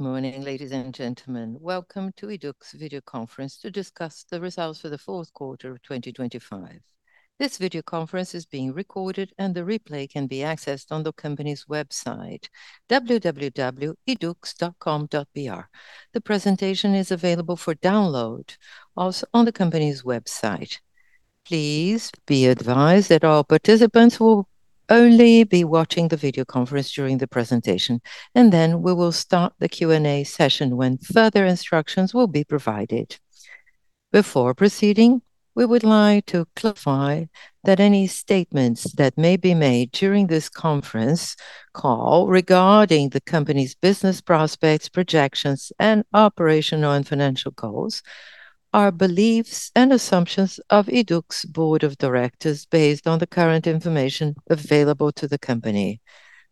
Good morning, ladies and gentlemen. Welcome to Yduqs video conference to discuss the results for the fourth quarter of 2025. This video conference is being recorded, and the replay can be accessed on the company's website, www.yduqs.com.br. The presentation is available for download also on the company's website. Please be advised that all participants will only be watching the video conference during the presentation, and then we will start the Q&A session when further instructions will be provided. Before proceeding, we would like to clarify that any statements that may be made during this conference call regarding the company's business prospects, projections, and operational and financial goals are beliefs and assumptions of Yduqs' board of directors based on the current information available to the company.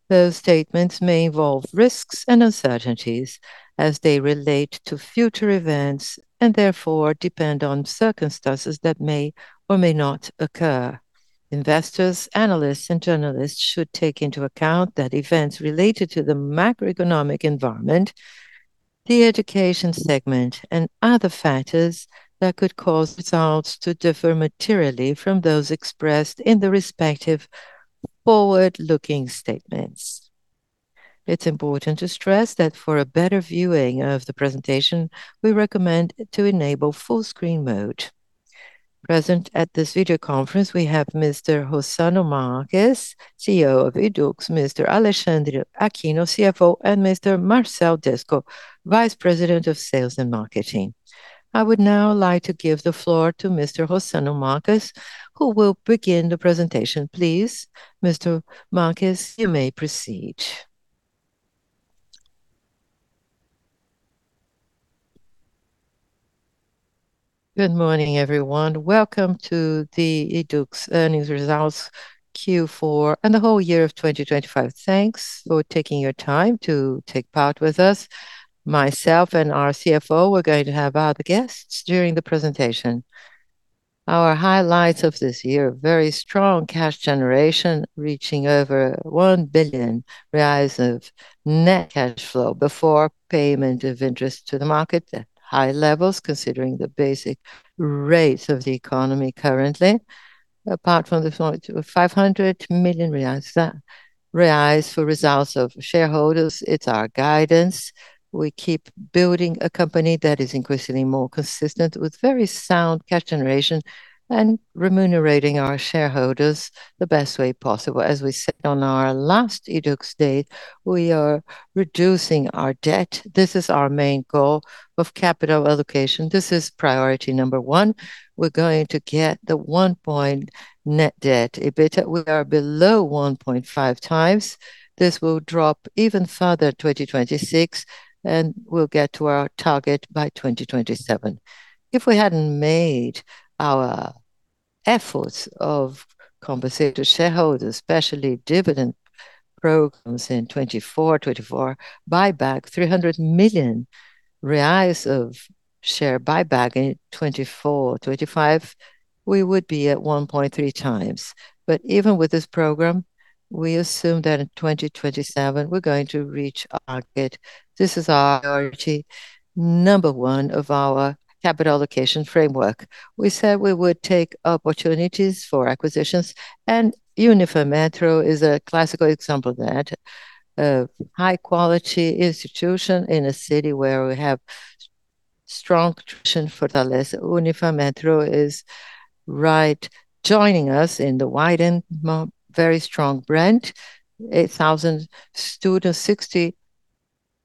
Those statements may involve risks and uncertainties as they relate to future events and therefore depend on circumstances that may or may not occur. Investors, analysts, and journalists should take into account that events related to the macroeconomic environment, the education segment, and other factors that could cause results to differ materially from those expressed in the respective forward-looking statements. It's important to stress that for a better viewing of the presentation, we recommend to enable full screen mode. Present at this video conference we have Mr. Rossano Marques, CEO of Yduqs, Mr. Alexandre Aquino, CFO, and Mr. Marcel Desco, Vice President of Sales and Marketing. I would now like to give the floor to Mr. Rossano Marques, who will begin the presentation. Please, Mr. Marques, you may proceed. Good morning, everyone. Welcome to the Yduqs earnings results Q4 and the whole year of 2025. Thanks for taking your time to take part with us. Myself and our CFO, we're going to have other guests during the presentation. Our highlights of this year, very strong cash generation, reaching over 1 billion reais of net cash flow before payment of interest to the market at high levels, considering the basic rates of the economy currently. Apart from the flow, 500 million reais for results of shareholders, it's our guidance. We keep building a company that is increasingly more consistent with very sound cash generation and remunerating our shareholders the best way possible. As we said on our last Yduqs Day, we are reducing our debt. This is our main goal of capital allocation. This is priority number one. We're going to get the 1x net debt/EBITDA. We are below 1.5x. This will drop even further 2026, and we'll get to our target by 2027. If we hadn't made our efforts to compensate shareholders, especially dividend programs in 2024 buyback 300 million reais of share buyback in 2024-2025, we would be at 1.3x. Even with this program, we assume that in 2027 we're going to reach our target. This is our priority number one of our capital allocation framework. We said we would take opportunities for acquisitions, and Unifametro is a classical example of that. A high-quality institution in a city where we have strong tradition in Fortaleza. Unifametro is right joining us in the Wyden, very strong brand. 8,000 students, 60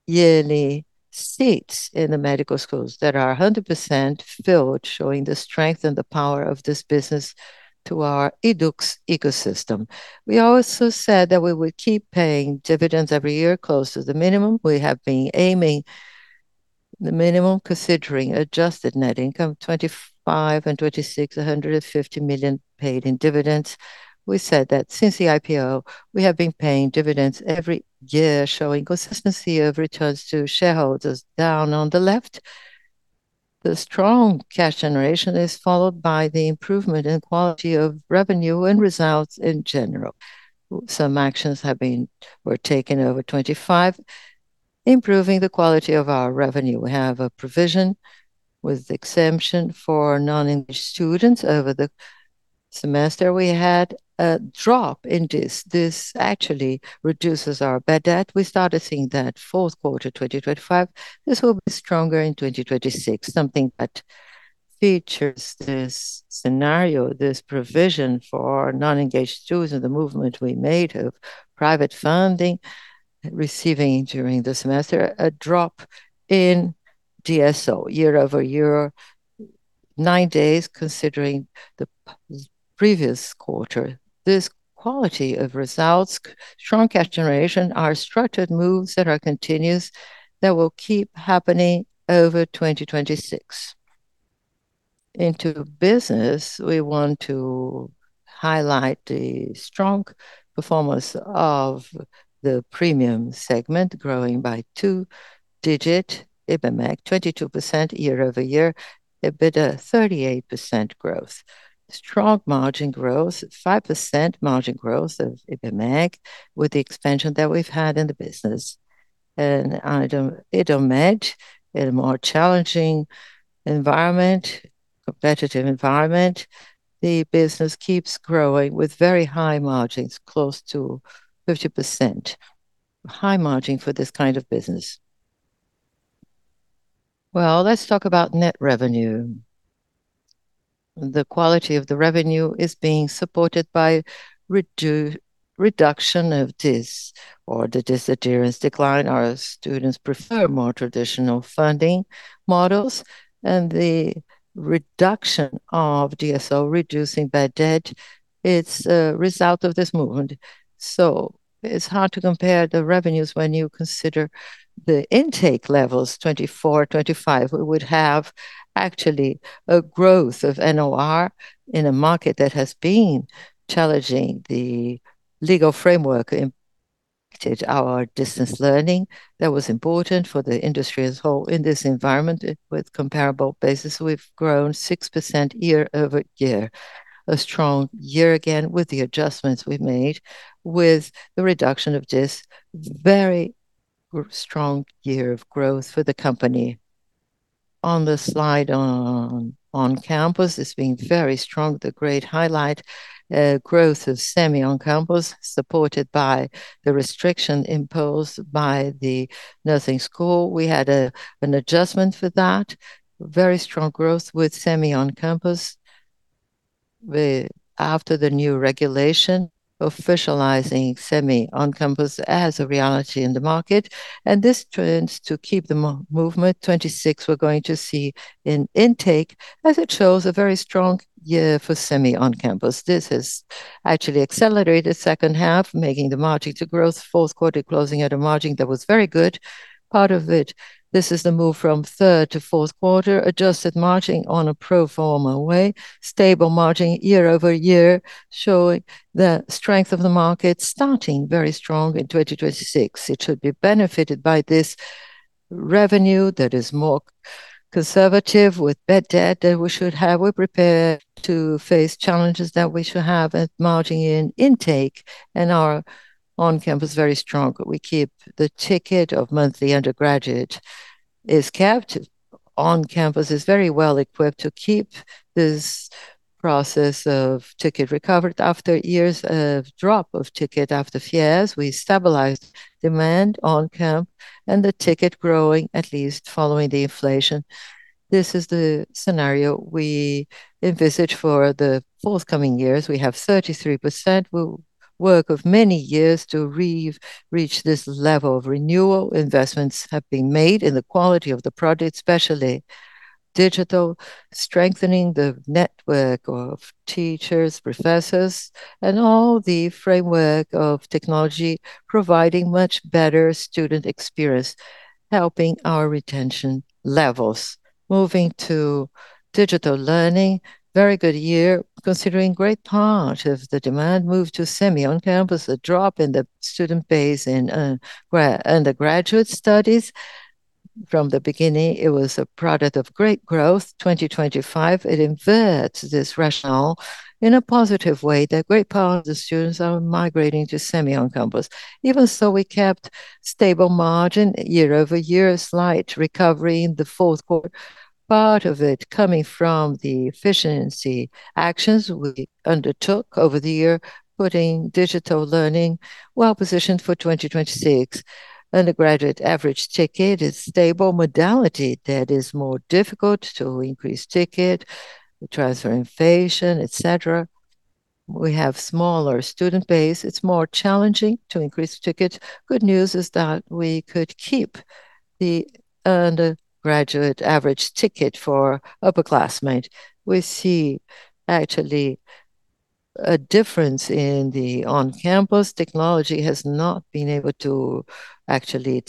yearly seats in the medical schools that are 100% filled, showing the strength and the power of this business to our Yduqs ecosystem. We also said that we would keep paying dividends every year, close to the minimum. We have been aiming the minimum, considering adjusted net income, 2025 and 2026, 150 million paid in dividends. We said that since the IPO, we have been paying dividends every year, showing consistency of returns to shareholders down on the left. The strong cash generation is followed by the improvement in quality of revenue and results in general. Some actions were taken over 2025, improving the quality of our revenue. We have a provision with exemption for non-engaged students. Over the semester, we had a drop in this. This actually reduces our bad debt. We started seeing that fourth quarter, 2025. This will be stronger in 2026, something that features this scenario, this provision for non-engaged students and the movement we made of private funding receiving during the semester a drop in DSO year-over-year, nine days considering the previous quarter. This quality of results, strong cash generation are structured moves that are continuous, that will keep happening over 2026. In the business, we want to highlight the strong performance of the Premium segment, growing by two-digit Ibmec, 22% year-over-year, EBITDA, 38% growth. Strong margin growth, 5% margin growth of Ibmec with the expansion that we've had in the business, and IDOMED in a more challenging competitive environment. The business keeps growing with very high margins, close to 50%. High margin for this kind of business. Well, let's talk about net revenue. The quality of the revenue is being supported by reduction of DIS or the disappearance decline. Our students prefer more traditional funding models and the reduction of DSO, reducing bad debt. It's a result of this movement. It's hard to compare the revenues when you consider the intake levels. 2024, 2025, we would have actually a growth of NOR in a market that has been challenging. The legal framework impacted our distance learning. That was important for the industry as a whole in this environment. With comparable basis, we've grown 6% year-over-year. A strong year again, with the adjustments we've made, with the reduction of DIS. Very strong year of growth for the company. On the slide, On-Campus, it's been very strong. The great highlight, growth of Semi On-Campus, supported by the restriction imposed by the nursing school. We had an adjustment for that. Very strong growth with Semi On-Campus. After the new regulation, officializing Semi On-Campus as a reality in the market, and this trends to keep the movement. 2026, we're going to see an intake, as it shows a very strong year for Semi On-Campus. This has actually accelerated second half, making the margin to growth. Fourth quarter closing at a margin that was very good. Part of it, this is the move from third to fourth quarter. Adjusted margin on a pro forma way. Stable margin year-over-year, showing the strength of the market starting very strong in 2026. It should be benefited by this revenue that is more conservative with bad debt that we should have. We're prepared to face challenges that we should have at margin in intake and our On-Campus very strong. We keep the ticket of monthly undergraduate is kept. On-Campus is very well equipped to keep this process of ticket recovered after years of drop of ticket. After FIES, we stabilized demand On-Campus and the ticket growing at least following the inflation. This is the scenario we envisage for the forthcoming years. We have 33%. We worked for many years to reach this level of renewal. Investments have been made in the quality of the project, especially digital, strengthening the network of teachers, professors, and all the framework of technology, providing much better student experience, helping our retention levels. Moving to Digital Learning. Very good year considering great part of the demand moved to Semi On-Campus. A drop in the student base in undergraduate studies. From the beginning, it was a period of great growth. 2025, it inverts this rationale in a positive way that great part of the students are migrating to Semi On-Campus. Even so, we kept stable margin year over year, a slight recovery in the fourth quarter. Part of it coming from the efficiency actions we undertook over the year, putting Digital Learning well-positioned for 2026. Undergraduate average ticket is stable modality that is more difficult to increase ticket, transfer inflation, et cetera. We have smaller student base. It's more challenging to increase the ticket. Good news is that we could keep the undergraduate average ticket for upperclassmen. We see actually a difference in the On-Campus. Technology has not been able to actually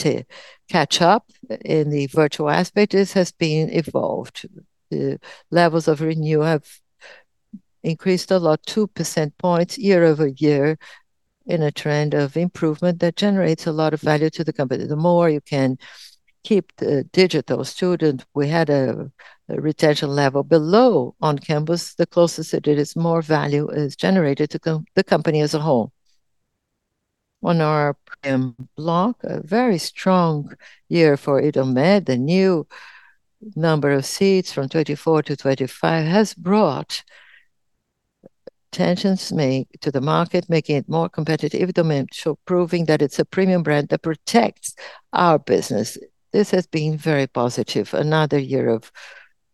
catch up in the virtual aspect. This has been evolved. The levels of renewal have increased a lot, 2 percentage points year-over-year in a trend of improvement that generates a lot of value to the company. The more you can keep the digital student, we had a retention level below On-Campus. The closer it is, more value is generated to the company as a whole. On our Premium block, a very strong year for IDOMED. The new number of seats from 24-25 has brought tensions to the market, making it more competitive. Idiom proving that it's a Premium brand that protects our business. This has been very positive. Another year of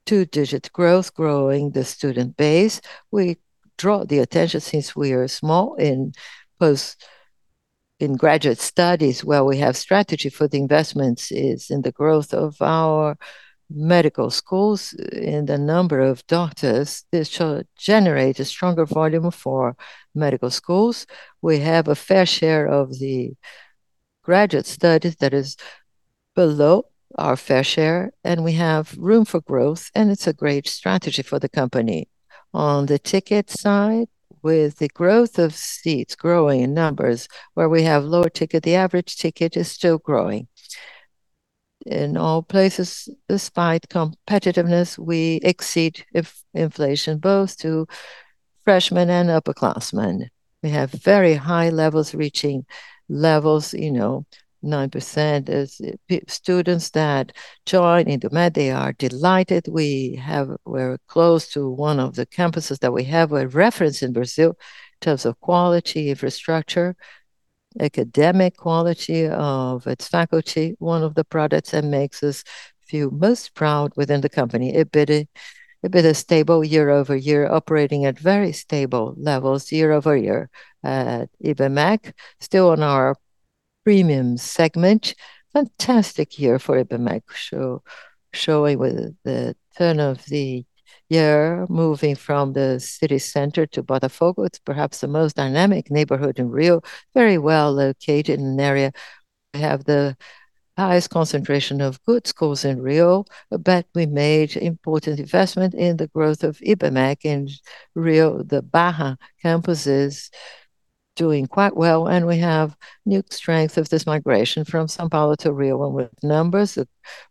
two-digit growth, growing the student base. We draw the attention since we are small in postgraduate studies, where we have strategy for the investments is in the growth of our medical schools. In the number of doctors, this should generate a stronger volume for medical schools. We have a fair share of the graduate studies that is below our fair share, and we have room for growth, and it's a great strategy for the company. On the ticket side, with the growth of seats growing in numbers, where we have lower ticket, the average ticket is still growing. In all places, despite competitiveness, we exceed inflation, both to freshmen and upperclassmen. We have very high levels, reaching 9%, as the students that join into Med, they are delighted. We're close to one of the campuses that is a reference in Brazil in terms of quality, infrastructure, academic quality of its faculty. One of the products that makes us feel most proud within the company. EBITDA. EBITDA stable year-over-year, operating at very stable levels year-over-year. At Ibmec, still in our Premium segment. Fantastic year for Ibmec. Showing with the turn of the year, moving from the city center to Botafogo. It's perhaps the most dynamic neighborhood in Rio, very well located in an area. We have the highest concentration of good schools in Rio. We made important investment in the growth of Ibmec in Rio. The Barra campus is doing quite well, and we have new strength of this migration from São Paulo to Rio. With numbers,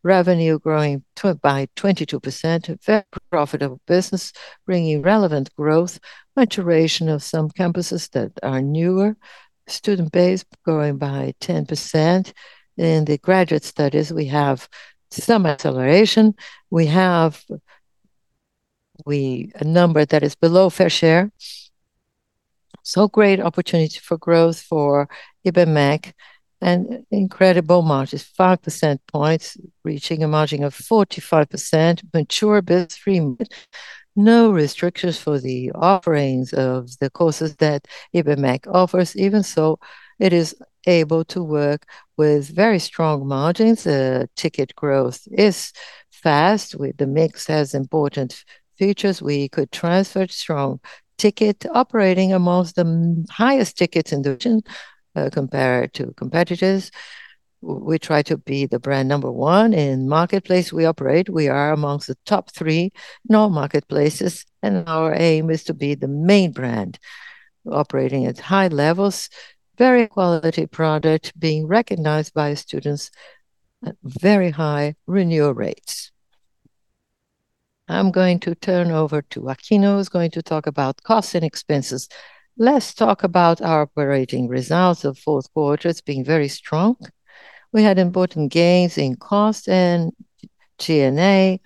revenue growing by 22%. A very profitable business bringing relevant growth. Maturation of some campuses that are newer. Student base growing by 10%. In the graduate studies, we have some acceleration. A number that is below fair share. Great opportunity for growth for Ibmec and incredible margins, five percentage points, reaching a margin of 45%. Mature business, no restrictions for the offerings of the courses that Ibmec offers. Even so, it is able to work with very strong margins. Ticket growth is fast with the mix has important features. We could transfer strong ticket operating amongst the highest tickets in the region, compared to competitors. We try to be the brand number one in marketplace we operate. We are amongst the top three in all marketplaces, and our aim is to be the main brand operating at high levels. Very quality product being recognized by students at very high renewal rates. I'm going to turn over to Aquino, who's going to talk about costs and expenses. Let's talk about our operating results of fourth quarter. It's been very strong. We had important gains in cost and G&A,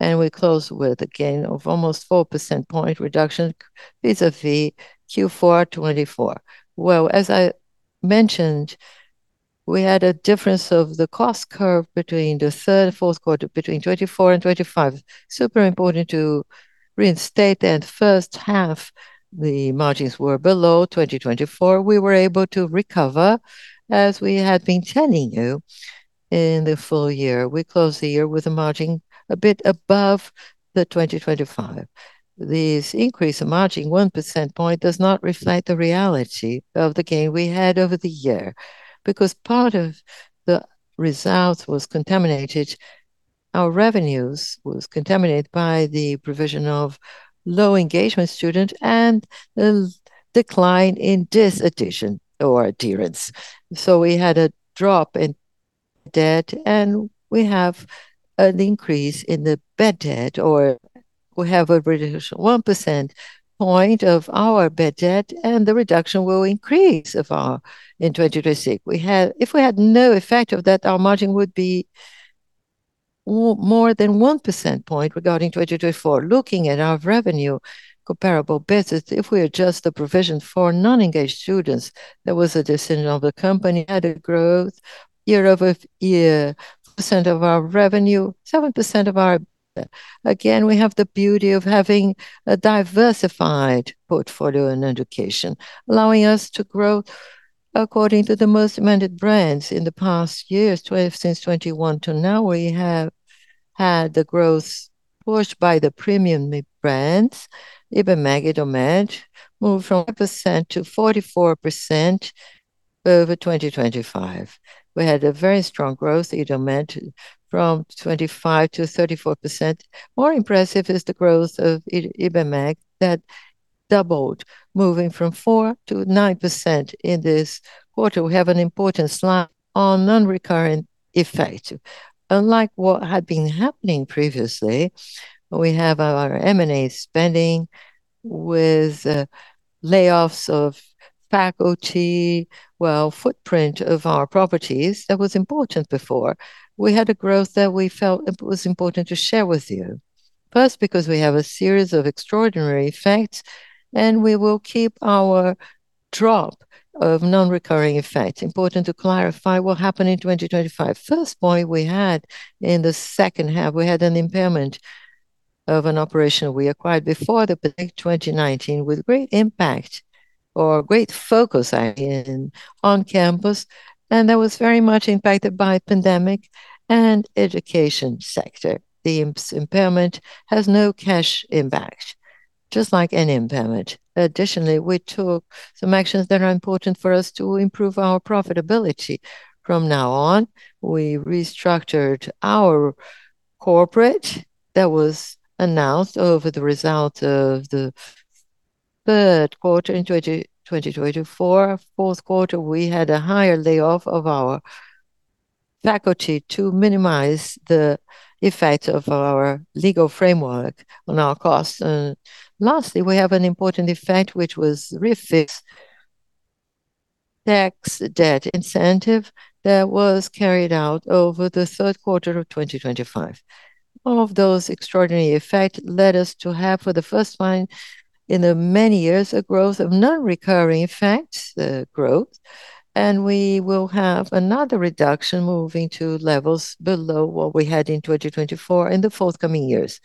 and we closed with a gain of almost 4 percentage point reduction vis-à-vis Q4 2024. Well, as I mentioned, we had a difference of the cost curve between the third and fourth quarter between 2024 and 2025. Super important to reinstate that first half, the margins were below 2024. We were able to recover, as we had been telling you in the full year. We closed the year with a margin a bit above 25%. This increase in margin, 1 percentage point, does not reflect the reality of the gain we had over the year because part of the results was contaminated. Our revenues was contaminated by the provision for low-engagement student and the decline in this admission or adherence. We had a drop in debt, and we have an increase in the bad debt, or we have a reduction of 1 percentage point of our bad debt, and the reduction will increase of our PDD in 2026. If we had no effect of that, our margin would be more than 1 percentage point regarding 2024. Looking at our revenue comparable business, if we adjust the provision for non-engaged students, there was a decision of the company. Had a growth year-over-year. 7% of our revenue, 7% of our. Again, we have the beauty of having a diversified portfolio in education, allowing us to grow according to the most demanded brands. In the past years, since 2021 to now, we have had the growth pushed by the Premium brands. Ibmec, IDOMED moved from 5% to 44% over 2025. We had a very strong growth at IDOMED from 25% to 34%. More impressive is the growth of Ibmec that doubled, moving from 4% to 9% in this quarter. We have an important slant on non-recurring effect. Unlike what had been happening previously, we have our M&A spending with layoffs of faculty, well, footprint of our properties. That was important before. We had a growth that we felt it was important to share with you, first, because we have a series of extraordinary effects, and we will keep our drop of non-recurring effects. Important to clarify what happened in 2025. First point we had in the second half, we had an impairment of an operation we acquired before the pandemic 2019 with great impact or great focus again on Campus, and that was very much impacted by pandemic and education sector. The impairment has no cash impact, just like any impairment. Additionally, we took some actions that are important for us to improve our profitability from now on. We restructured our corporate. That was announced over the result of the third quarter in 2024. Fourth quarter, we had a higher layoff of our faculty to minimize the effect of our legal framework on our costs. Lastly, we have an important effect which was Refis tax debt incentive that was carried out over the third quarter of 2025. All of those extraordinary effect led us to have for the first time in many years, a growth of non-recurring effects, and we will have another reduction moving to levels below what we had in 2024 in the forthcoming years.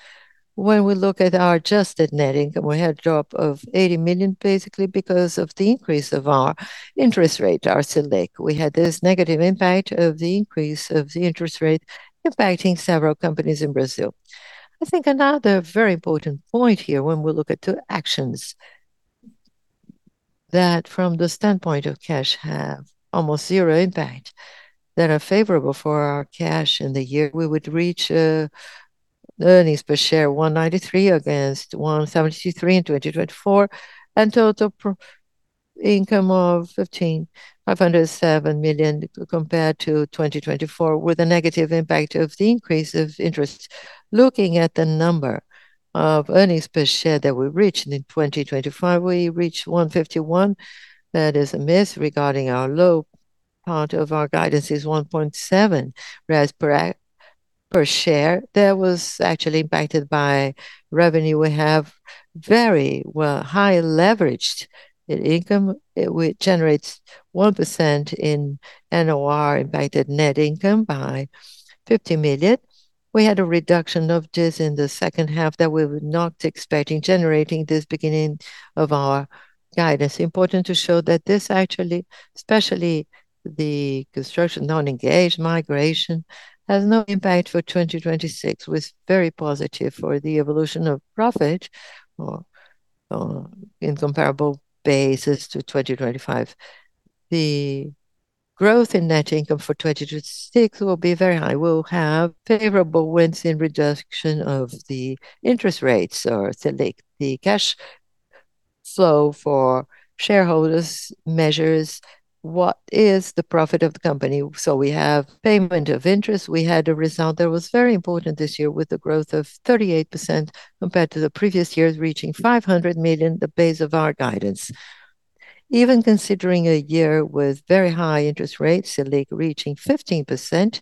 When we look at our adjusted net income, we had a drop of 80 million, basically because of the increase of our interest rate, our Selic. We had this negative impact of the increase of the interest rate impacting several companies in Brazil. I think another very important point here when we look at the actions that from the standpoint of cash have almost zero impact, that are favorable for our cash in the year, we would reach earnings per share 193 million against 173 million in 2024, and total income of 1.507 billion compared to 2024, with a negative impact of the increase of interest. Looking at the number of earnings per share that we reached in 2025, we reached 151 million. That is a miss regarding our low part of our guidance is 1.7%. Whereas per share, that was actually impacted by revenue. We have very well high leveraged income, which generates 1% in NOR impacted net income by 50 million. We had a reduction of this in the second half that we were not expecting, generating this beginning of our guidance. Important to show that this actually, especially the construction non-engaged migration, has no impact for 2026, was very positive for the evolution of profit or in comparable basis to 2025. The growth in net income for 2026 will be very high. We'll have favorable winds in reduction of the interest rates of Selic. The cash flow for shareholders measures what is the profit of the company. We have payment of interest. We had a result that was very important this year with a growth of 38% compared to the previous years, reaching 500 million, the base of our guidance. Even considering a year with very high interest rates, Selic reaching 15%,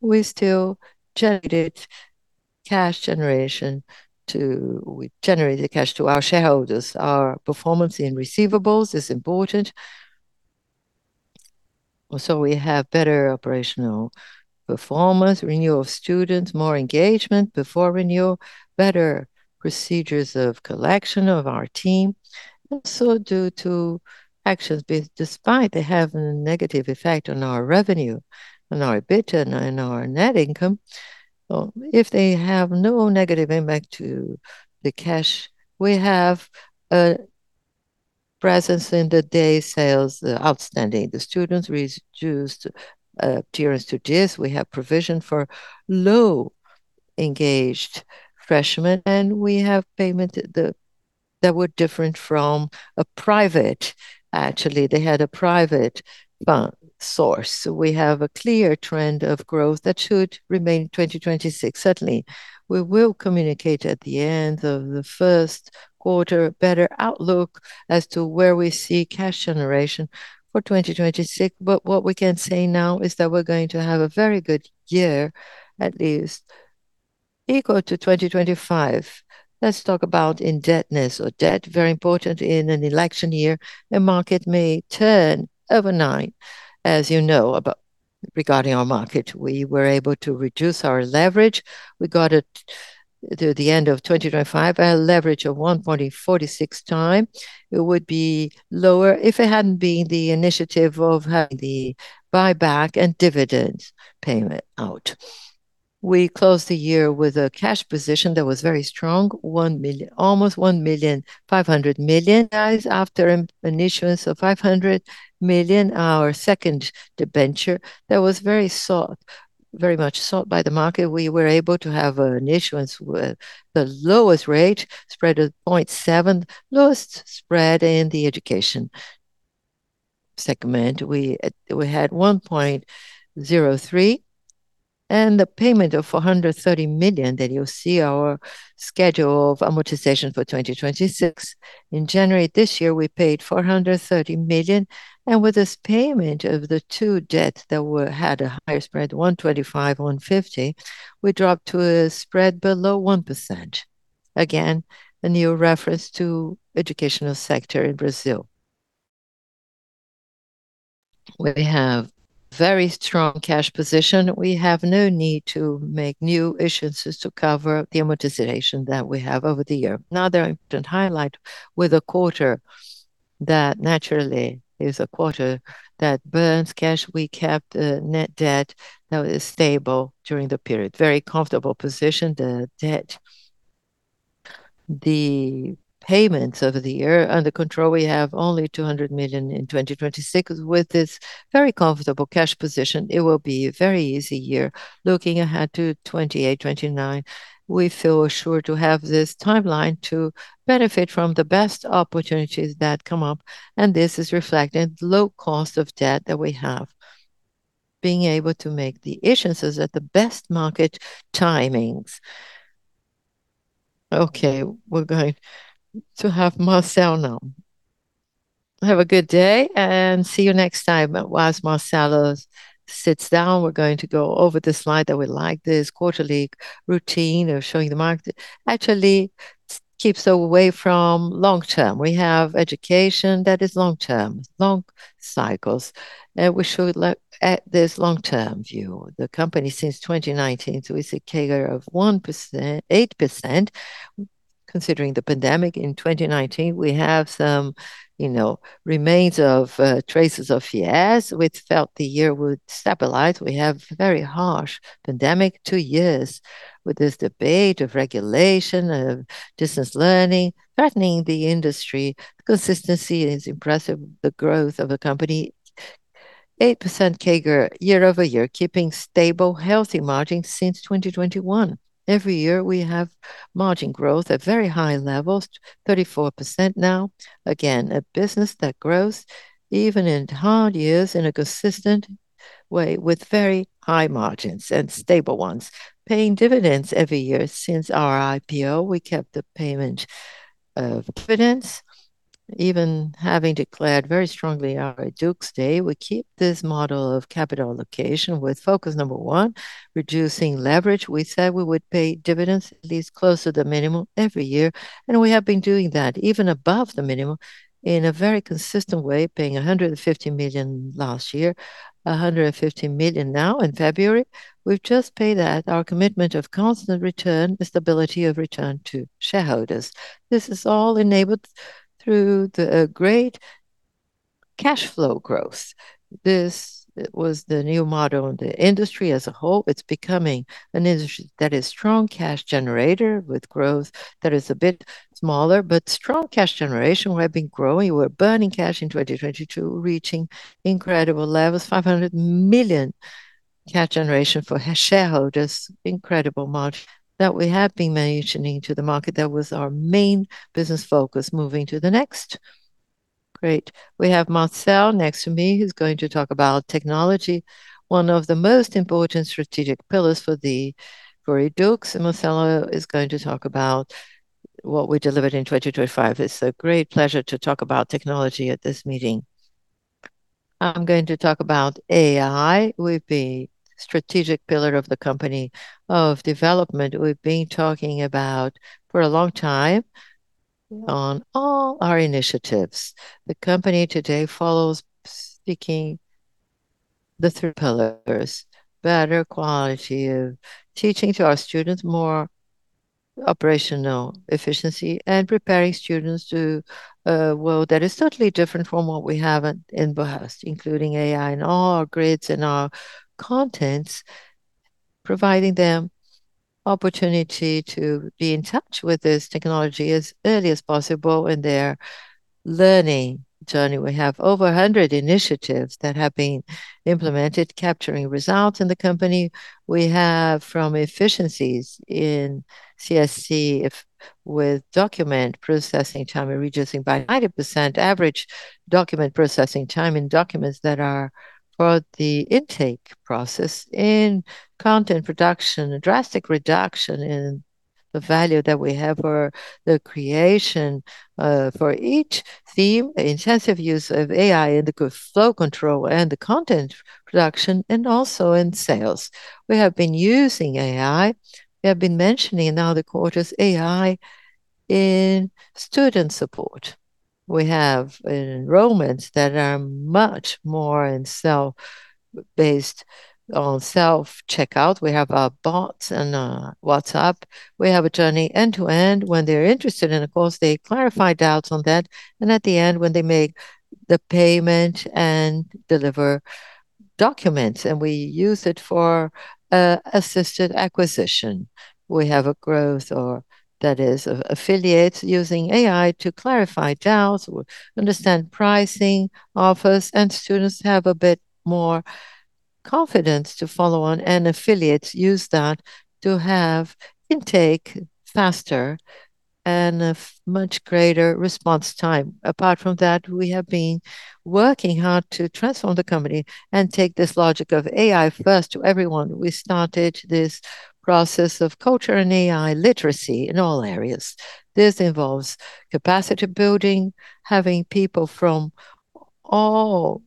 we still generated cash to our shareholders. Our performance in receivables is important. We have better operational performance, renewal of students, more engagement before renewal, better procedures of collection of our team. Also due to actions, despite they have a negative effect on our revenue and our EBITDA and our net income, if they have no negative impact to the cash, we have a presence in the days sales outstanding. The students reduced tiers to this. We have provision for low-engaged freshmen, and we have payment that were different from a private. Actually, they had a private bank source. We have a clear trend of growth that should remain in 2026. Certainly, we will communicate at the end of the first quarter a better outlook as to where we see cash generation for 2026. What we can say now is that we're going to have a very good year, at least equal to 2025. Let's talk about indebtedness or debt. Very important in an election year, the market may turn overnight, as you know, about regarding our market. We were able to reduce our leverage. We got it to the end of 2025, a leverage of 1.46x. It would be lower if it hadn't been the initiative of having the buyback and dividends payment out. We closed the year with a cash position that was very strong. 500 million after an issuance of 500 million, our second debenture that was very much sought by the market. We were able to have an issuance with the lowest rate spread of 0.7%, lowest spread in the education segment. We had 1.03% and the payment of 430 million that you'll see our schedule of amortization for 2026. In January this year, we paid 430 million. With this payment of the two debt had a higher spread, 125 million, 150 million, we dropped to a spread below 1%. Again, a new reference to educational sector in Brazil. We have very strong cash position. We have no need to make new issuances to cover the amortization that we have over the year. Another important highlight with a quarter that naturally is a quarter that burns cash. We kept net debt that was stable during the period. Very comfortable position, the debt. The payments over the year under control, we have only 200 million in 2026. With this very comfortable cash position, it will be a very easy year. Looking ahead to 2028, 2029, we feel assured to have this timeline to benefit from the best opportunities that come up, and this is reflected low cost of debt that we have. Being able to make the issuances at the best market timings. Okay, we're going to have Marcel now. Have a good day and see you next time. Whilst Marcel sits down, we're going to go over the slide that we like, this quarterly routine of showing the market. Actually keeps away from long-term. We have education that is long-term, long cycles. We should look at this long-term view. The company since 2019, so we see CAGR of 1%-8%. Considering the pandemic in 2019, we have some remains of traces of years which felt the year would stabilize. We have very harsh pandemic, two years with this debate of regulation, of distance learning threatening the industry. Consistency is impressive, the growth of the company. 8% CAGR year-over-year, keeping stable, healthy margins since 2021. Every year we have margin growth at very high levels, 34% now. Again, a business that grows even in hard years in a consistent way with very high margins and stable ones. Paying dividends every year since our IPO, we kept the payment of dividends. Even having declared very strongly our Yduqs Day, we keep this model of capital allocation with focus number one, reducing leverage. We said we would pay dividends at least close to the minimum every year, and we have been doing that even above the minimum in a very consistent way, paying 150 million last year, 150 million now in February. We've just paid that. Our commitment of constant return is stability of return to shareholders. This is all enabled through the great cash flow growth. This was the new model in the industry as a whole. It's becoming an industry that is strong cash generator with growth that is a bit smaller, but strong cash generation. We have been growing. We were burning cash in 2022, reaching incredible levels, 500 million cash generation for shareholders. Incredible margin that we have been mentioning to the market. That was our main business focus. Moving to the next. Great. We have Marcel next to me, who's going to talk about technology, one of the most important strategic pillars for Yduqs. Marcel is going to talk about what we delivered in 2025. It's a great pleasure to talk about technology at this meeting. I'm going to talk about AI with the strategic pillar of the company of development we've been talking about for a long time on all our initiatives. The company today follows seeking the three pillars, better quality of teaching to our students, more operational efficiency, and preparing students to a world that is totally different from what we have in the past, including AI in all our grids and our contents, providing them opportunity to be in touch with this technology as early as possible in their learning journey. We have over 100 initiatives that have been implemented, capturing results in the company. We have from efficiencies in CSC with document processing time, we're reducing by 90% average document processing time in documents that are for the intake process. In content production, a drastic reduction in the value that we have for the creation for each theme. Intensive use of AI in the flow control and the content production and also in sales. We have been using AI. We have been mentioning in other quarters AI in student support. We have enrollments that are much more self-service based on self-checkout. We have our bots and WhatsApp. We have an end-to-end journey. When they're interested in a course, they clarify doubts on that, and at the end when they make the payment and deliver documents, and we use it for assisted acquisition. We have a growth that is for affiliates using AI to clarify doubts or understand pricing offers, and students have a bit more confidence to follow on, and affiliates use that to have intake faster and a much greater response time. Apart from that, we have been working hard to transform the company and take this logic of AI-first to everyone. We started this process of cultural and AI literacy in all areas. This involves capacity building, having people from all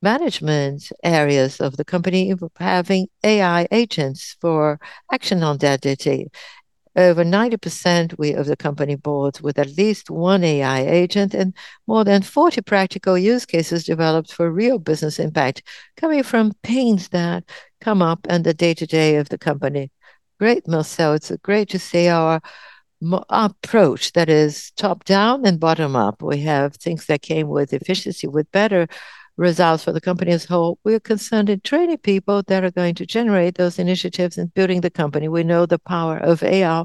management areas of the company, having AI agents for action on their day-to-day. Over 90% of the company boards with at least one AI agent and more than 40 practical use cases developed for real business impact coming from pains that come up in the day-to-day of the company. Great, Marcel. It's great to see our approach that is top-down and bottom-up. We have things that came with efficiency, with better results for the company as whole. We're concerned in training people that are going to generate those initiatives in building the company. We know the power of AI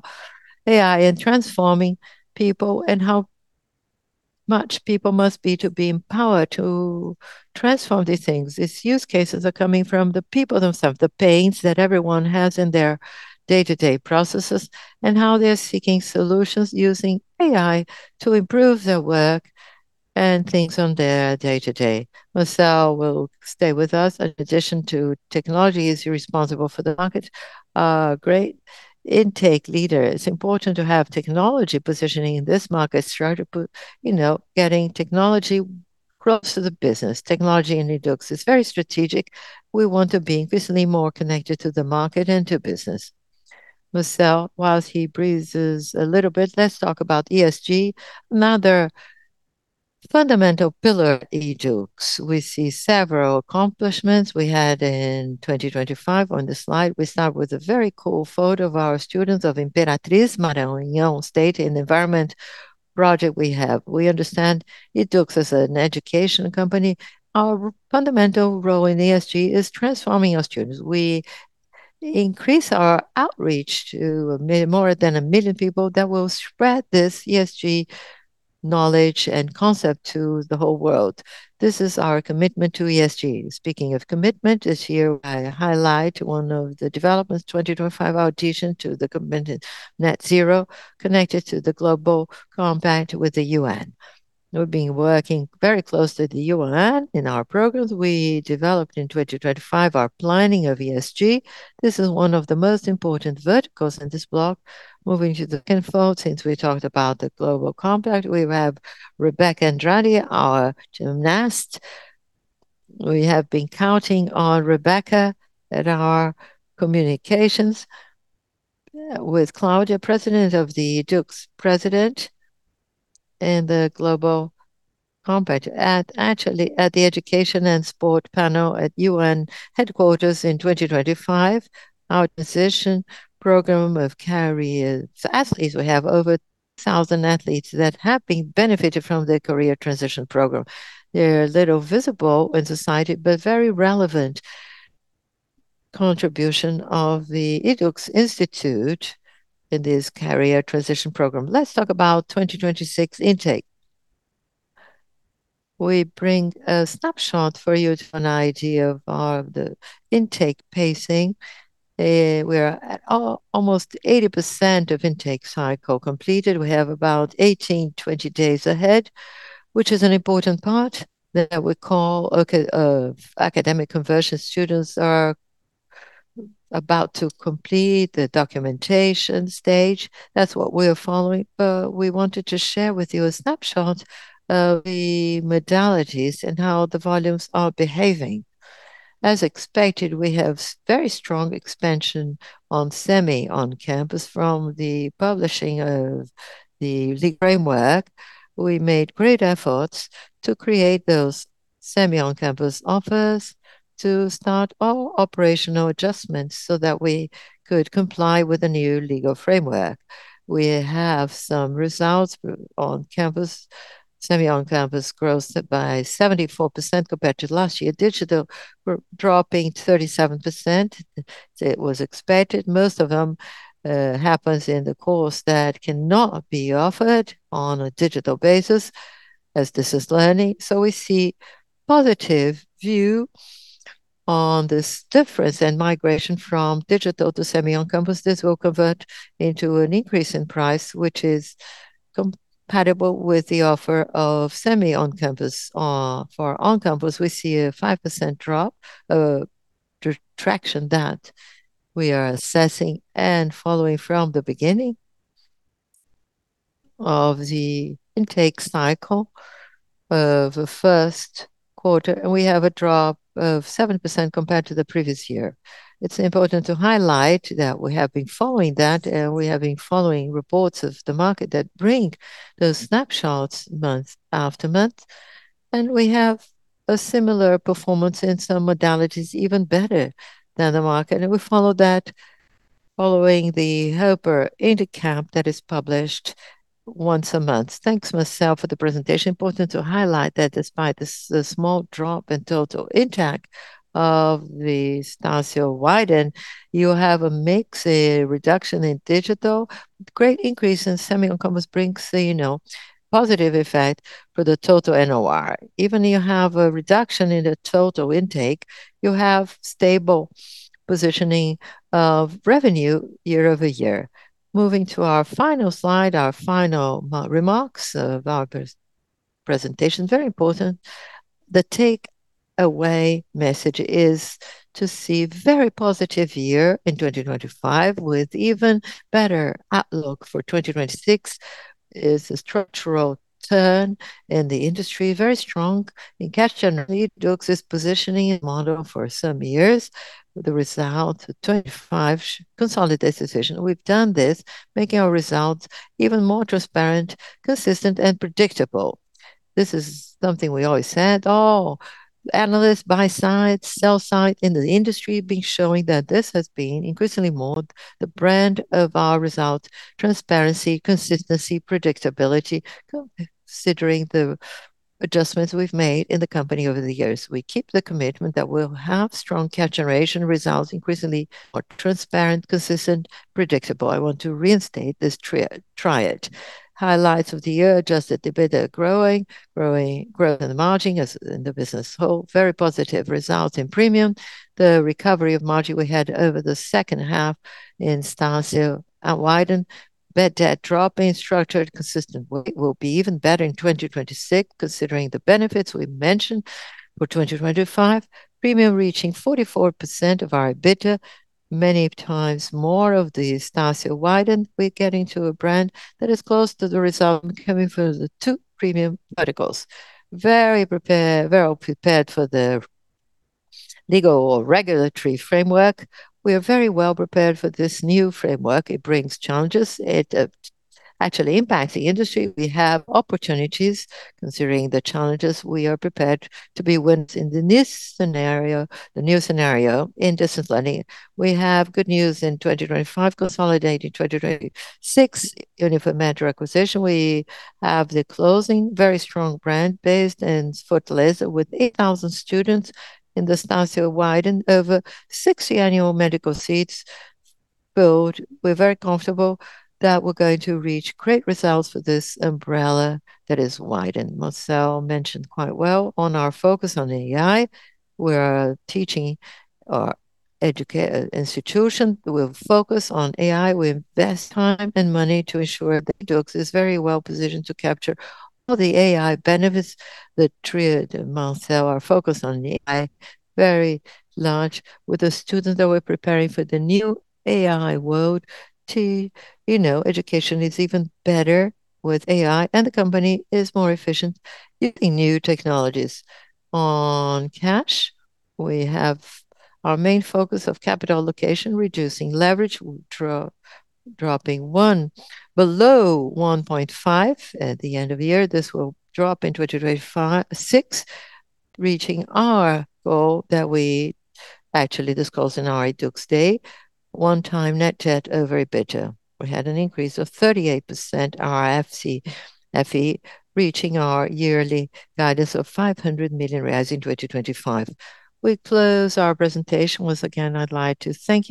in transforming people and how much people must be to be empowered to transform these things. These use cases are coming from the people themselves, the pains that everyone has in their day-to-day processes and how they are seeking solutions using AI to improve their work and things on their day-to-day. Marcel will stay with us. In addition to technology, he's responsible for the market. Great intake leader. It's important to have technology positioning in this market strategic, you know, getting technology close to the business. Technology in Yduqs is very strategic. We want to be increasingly more connected to the market and to business. Marcel, whilst he breathes a little bit, let's talk about ESG, another fundamental pillar at Yduqs. We see several accomplishments we had in 2025 on this slide. We start with a very cool photo of our students of Imperatriz, Maranhão State, an environment project we have. We understand Yduqs as an education company. Our fundamental role in ESG is transforming our students. We increase our outreach to more than a million people that will spread this ESG knowledge and concept to the whole world. This is our commitment to ESG. Speaking of commitment, this year I highlight one of the developments, 2025 adhesion to the commitment net zero connected to the Global Compact with the UN. We've been working very closely with the UN in our programs. We developed in 2025 our planning of ESG. This is one of the most important verticals in this block. Moving to the tenth photo, since we talked about the Global Compact, we have Rebeca Andrade, our gymnast. We have been counting on Rebecca in our communications with Cláudia, President of Yduqs, President in the Global Compact. Actually, at the Education and Sport panel at UN headquarters in 2025. Our transition program of career athletes. We have over 1,000 athletes that have been benefited from the career transition program. They're little visible in society, but very relevant contribution of the Yduqs Institute in this career transition program. Let's talk about 2026 intake. We bring a snapshot for you to have an idea of the intake pacing. We're at almost 80% of intake cycle completed. We have about 18-20 days ahead, which is an important part that we call academic conversion. Students are about to complete the documentation stage. That's what we are following. We wanted to share with you a snapshot of the modalities and how the volumes are behaving. As expected, we have very strong expansion on Semi On-Campus from the publishing of the legal framework. We made great efforts to create those Semi On-Campus offers to start our operational adjustments so that we could comply with the new legal framework. We have some results on Campus. Semi On-Campus grows by 74% compared to last year. Digital dropping 37%. It was expected. Most of them happens in the course that cannot be offered on a digital basis as distance learning. We see positive view on this difference in migration from digital to Semi On-Campus. This will convert into an increase in price, which is compatible with the offer of Semi On-Campus. For On-Campus, we see a 5% drop, a contraction that we are assessing and following from the beginning of the intake cycle of the first quarter. We have a drop of 7% compared to the previous year. It's important to highlight that we have been following that, and we have been following reports of the market that bring those snapshots month after month. We have a similar performance in some modalities, even better than the market. We follow that following the Hoper or Indicap that is published once a month. Thanks, Marcel, for the presentation. Important to highlight that despite the small drop in total intake of the Estácio Wyden, you have a mix, a reduction in digital, great increase in Semi On-Campus brings a, you know, positive effect for the total NOR. Even you have a reduction in the total intake, you have stable positioning of revenue year-over-year. Moving to our final slide, our final, remarks of our presentation. Very important. The take-away message is to see very positive year in 2025 with even better outlook for 2026 is a structural turn in the industry, very strong in cash generation. Yduqs is positioning its model for some years. The result, 2025 should consolidate this vision. We've done this, making our results even more transparent, consistent, and predictable. This is something we always said. All analysts, buy side, sell side in the industry been showing that this has been increasingly more the brand of our result. Transparency, consistency, predictability, considering the adjustments we've made in the company over the years. We keep the commitment that we'll have strong cash generation results increasingly more transparent, consistent, predictable. I want to reinstate this triad. Highlights of the year, adjusted EBITDA growth in the margin as in the business whole. Very positive results in Premium. The recovery of margin we had over the second half in Estácio Wyden. Net debt dropping, structured consistent will be even better in 2026 considering the benefits we mentioned for 2025. Premium reaching 44% of our EBITDA. Many times more of the Estácio Wyden. We're getting to a brand that is close to the result coming from the two Premium verticals. Well prepared for the legal or regulatory framework. We are very well prepared for this new framework. It brings challenges. It actually impacts the industry. We have opportunities considering the challenges. We are prepared to be winners in this scenario, the new scenario. In distance learning, we have good news in 2025 consolidating 2026 Unifametro acquisition. We have the closing, very strong brand based in Fortaleza with 8,000 students in the Estácio Wyden. Over 60 annual medical seats built. We're very comfortable that we're going to reach great results for this umbrella that is Wyden. Marcel mentioned quite well on our focus on AI. We're a teaching institution. We're focused on AI. We invest time and money to ensure Yduqs is very well-positioned to capture all the AI benefits. The triad and Marcel are focused on AI, very large. With the students that we're preparing for the new AI world. You know, education is even better with AI, and the company is more efficient using new technologies. On cash, we have our main focus of capital allocation, reducing leverage. We'll drop one below 1.5x at the end of the year. This will drop in 2026, reaching our goal that we actually discussed in our Yduqs Day. 1x net debt over EBITDA. We had an increase of 38% FCFE reaching our yearly guidance of 500 million reais in 2025. We close our presentation. Once again, I'd like to thank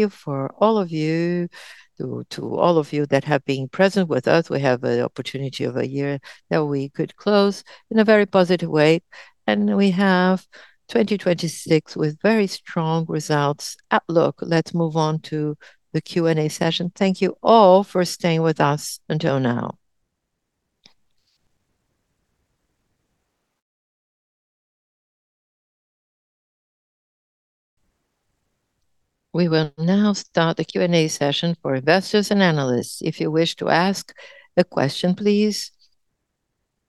all of you that have been present with us. We have a opportunity of a year that we could close in a very positive way. We have 2026 with very strong results outlook. Let's move on to the Q&A session. Thank you all for staying with us until now. We will now start the Q&A session for investors and analysts. If you wish to ask a question, please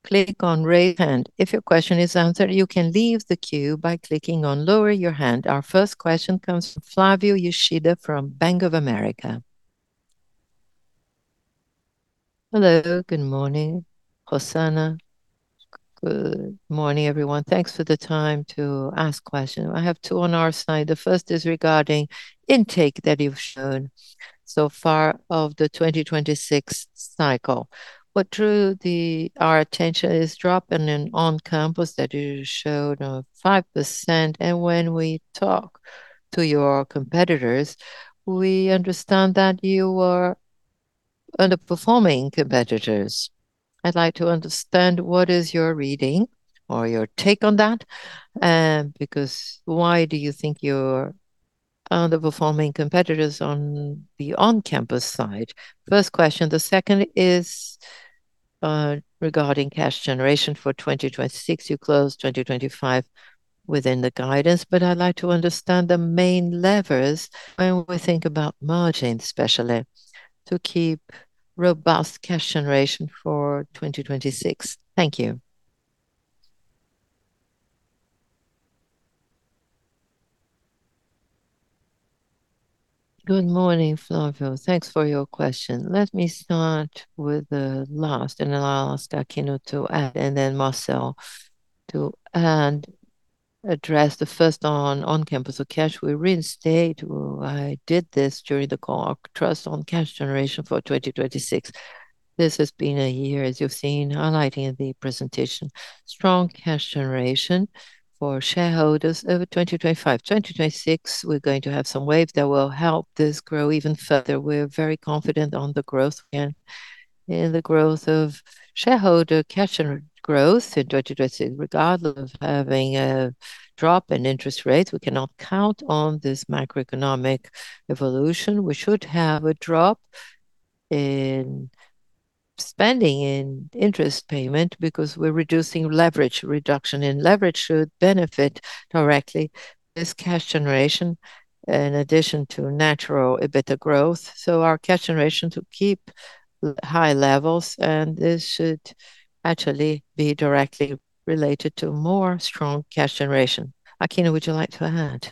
click on Raise Hand. If your question is answered, you can leave the queue by clicking on Lower Your Hand. Our first question comes from Flavio Yoshida from Bank of America. Hello. Good morning, Rossano. Good morning, everyone. Thanks for the time to ask question. I have two on our side. The first is regarding intake that you've shown so far of the 2026 cycle. What drew our attention is drop in On-Campus that you showed of 5%. When we talk to your competitors, we understand that you are underperforming competitors. I'd like to understand what is your reading or your take on that, because why do you think you're underperforming competitors on the On-Campus side? First question. The second is, regarding cash generation for 2026. You closed 2025 within the guidance, but I'd like to understand the main levers when we think about margin, especially, to keep robust cash generation for 2026. Thank you. Good morning, Flavio. Thanks for your question. Let me start with the last, and then I'll ask Aquino to add, and then Marcel to add. Address the first On-Campus. Cash, we reinstate. I did this during the call. Our trust on cash generation for 2026. This has been a year, as you've seen highlighting in the presentation, strong cash generation for shareholders over 2025. 2026, we're going to have some waves that will help this grow even further. We're very confident on the growth again in the growth of shareholder cash growth in 2026. Regardless of having a drop in interest rates, we can count on this macroeconomic evolution. We should have a drop in spending in interest payment because we're reducing leverage. Reduction in leverage should benefit directly this cash generation in addition to natural EBITDA growth. Our cash generation to keep at high levels, and this should actually be directly related to more strong cash generation. Aquino, would you like to add?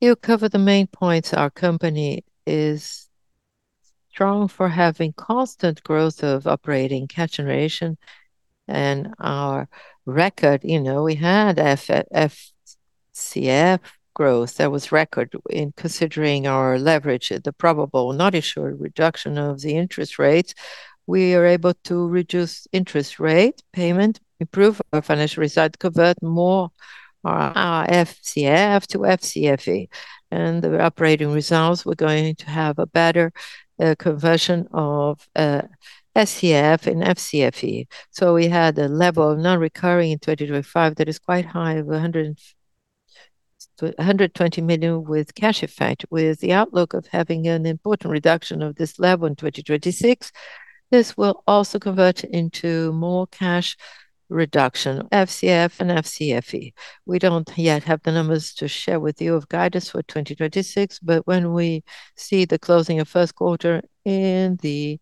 You covered the main points. Our company is strong for having constant growth of operating cash generation. Our record, you know, we had FCF growth that was record in considering our leverage, the probable not assured reduction of the interest rates. We are able to reduce interest rate payment, improve our financial result, convert more our FCF to FCFE. The operating results, we're going to have a better conversion of FCF and FCFE. We had a level of non-recurring in 2025 that is quite high of 100 million-120 million with cash effect, with the outlook of having an important reduction of this level in 2026. This will also convert into more cash reduction, FCF and FCFE. We don't yet have the numbers to share with you on guidance for 2026, but when we see the closing of first quarter and the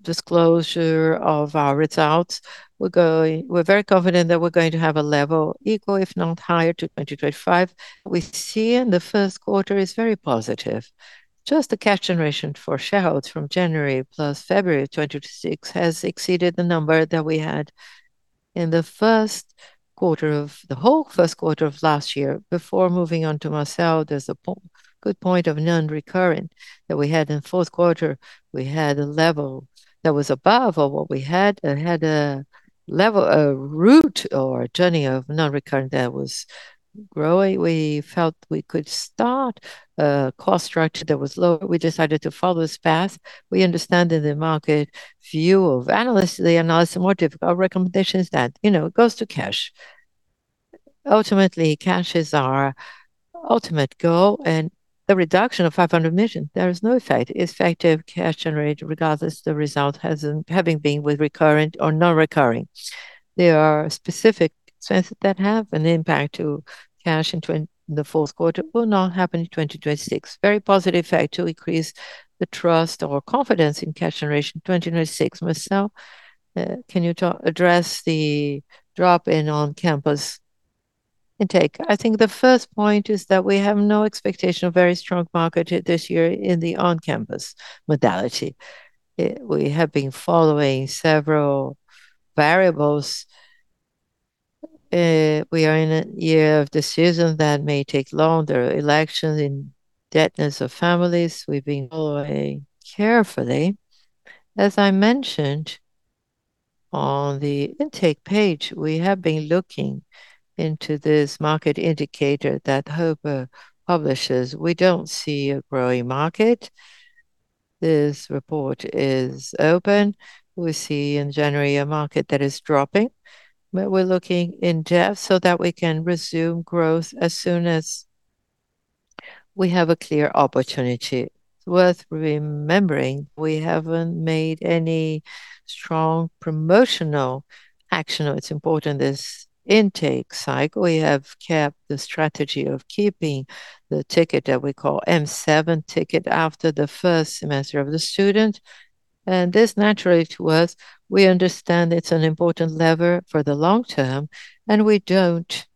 disclosure of our results, we're very confident that we're going to have a level equal, if not higher, to 2025. What we see in the first quarter is very positive. Just the cash generation for shareholders from January plus February 2026 has exceeded the number that we had in the whole first quarter of last year. Before moving on to Marcel, there's a good point on non-recurring that we had in fourth quarter. We had a level that was above what we had and a route or a journey of non-recurring that was growing. We felt we could start a cost structure that was lower. We decided to follow this path. We understand that the market view of analysts, the analysis, more difficult recommendations that, you know, goes to cash. Ultimately, cash is our ultimate goal, and the reduction of 500 million, there is no effect. Effective cash generated regardless the result has an having been with recurring or non-recurring. There are specific expenses that have an impact to cash in the fourth quarter will not happen in 2026. Very positive effect to increase the trust or confidence in cash generation. 2026, Marcel, can you address the drop in On-Campus intake? I think the first point is that we have no expectation of very strong market this year in the On-Campus modality. We have been following several variables. We are in a year of decisions that may take longer. Elections and indebtedness of families, we've been following carefully. As I mentioned on the intake page, we have been looking into this market indicator that Hoper publishes. We don't see a growing market. This report is out. We see in January a market that is dropping. We're looking in depth so that we can resume growth as soon as we have a clear opportunity. It's worth remembering we haven't made any strong promotional action. It's important this intake cycle. We have kept the strategy of keeping the ticket that we call M7 ticket after the first semester of the student. This naturally to us, we understand it's an important lever for the long term, and we didn't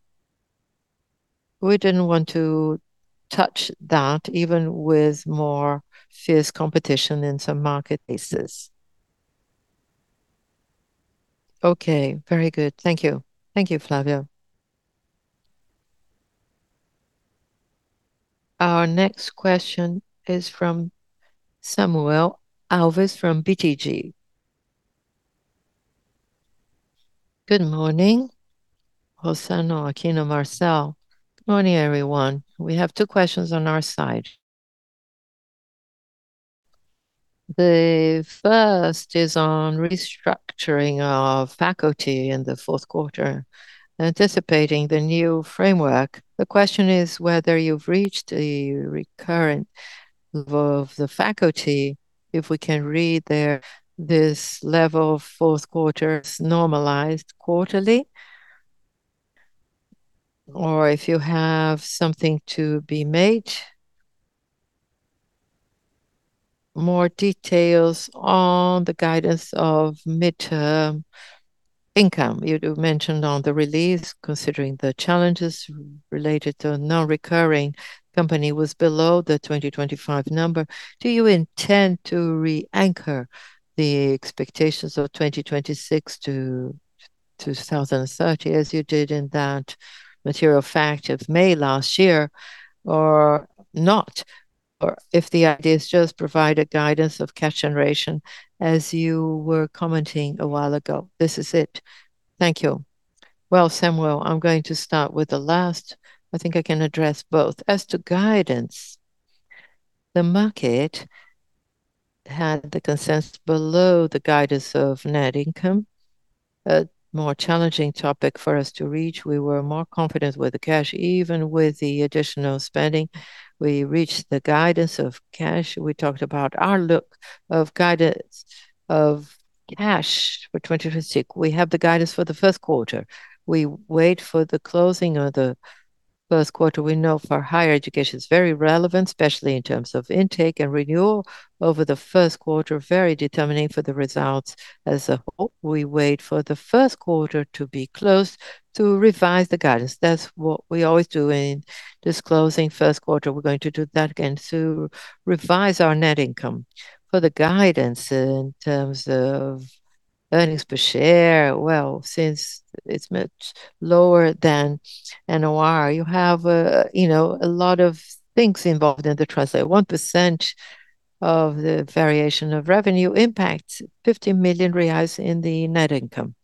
want to touch that even with more fierce competition in some marketplaces. Okay. Very good. Thank you. Thank you, Flavio. Our next question is from Samuel Alves from BTG. Good morning, Rossano, Aquino, Marcel. Good morning, everyone. We have two questions on our side. The first is on restructuring our faculty in the fourth quarter, anticipating the new framework. The question is whether you've reached a recurrent of the faculty, if we can read there this level of fourth quarter is normalized quarterly. Or if you have something to be made. More details on the guidance of midterm income. You mentioned on the release, considering the challenges related to non-recurring, company was below the 2025 number. Do you intend to re-anchor the expectations of 2026-2030, as you did in that material fact of May last year or not? If the idea is just provide a guidance of cash generation as you were commenting a while ago. This is it. Thank you. Well, Samuel, I'm going to start with the last. I think I can address both. As to guidance, the market had the consensus below the guidance of net income, a more challenging topic for us to reach. We were more confident with the cash. Even with the additional spending, we reached the guidance of cash. We talked about our look of guidance of cash for 2026. We have the guidance for the first quarter. We wait for the closing of the first quarter. We know for higher education, it's very relevant, especially in terms of intake and renewal over the first quarter, very determining for the results as a whole. We wait for the first quarter to be closed to revise the guidance. That's what we always do in disclosing first quarter. We're going to do that again to revise our net income. For the guidance in terms of earnings per share, well, since it's much lower than NOR, you know, a lot of things involved in the tax. At 1% of the variation of revenue impact, 50 million reais in the net income.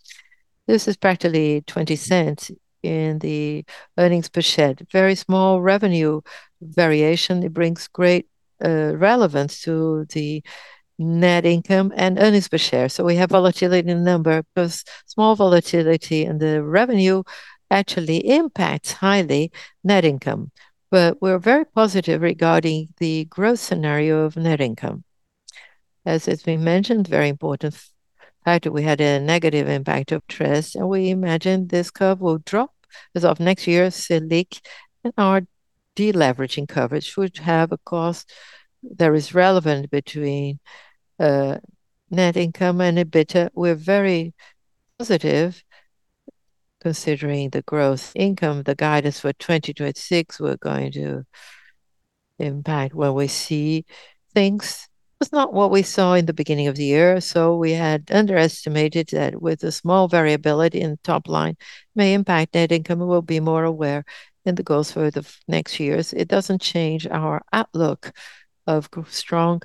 This is practically 0.20 in the earnings per share. Very small revenue variation, it brings great relevance to the net income and earnings per share. We have volatility in the number plus small volatility, and the revenue actually impacts highly net income. We're very positive regarding the growth scenario of net income. As has been mentioned, very important factor, we had a negative impact of tax, and we imagine this curve will drop as of next year. Selic and our deleveraging coverage should have a cost that is relevant between net income and EBITDA. We're very positive considering the growth income, the guidance for 2026 we're going to impact when we see things. It's not what we saw in the beginning of the year, so we had underestimated that with a small variability in top line may impact net income. We'll be more aware in the goals for the next years. It doesn't change our outlook of strong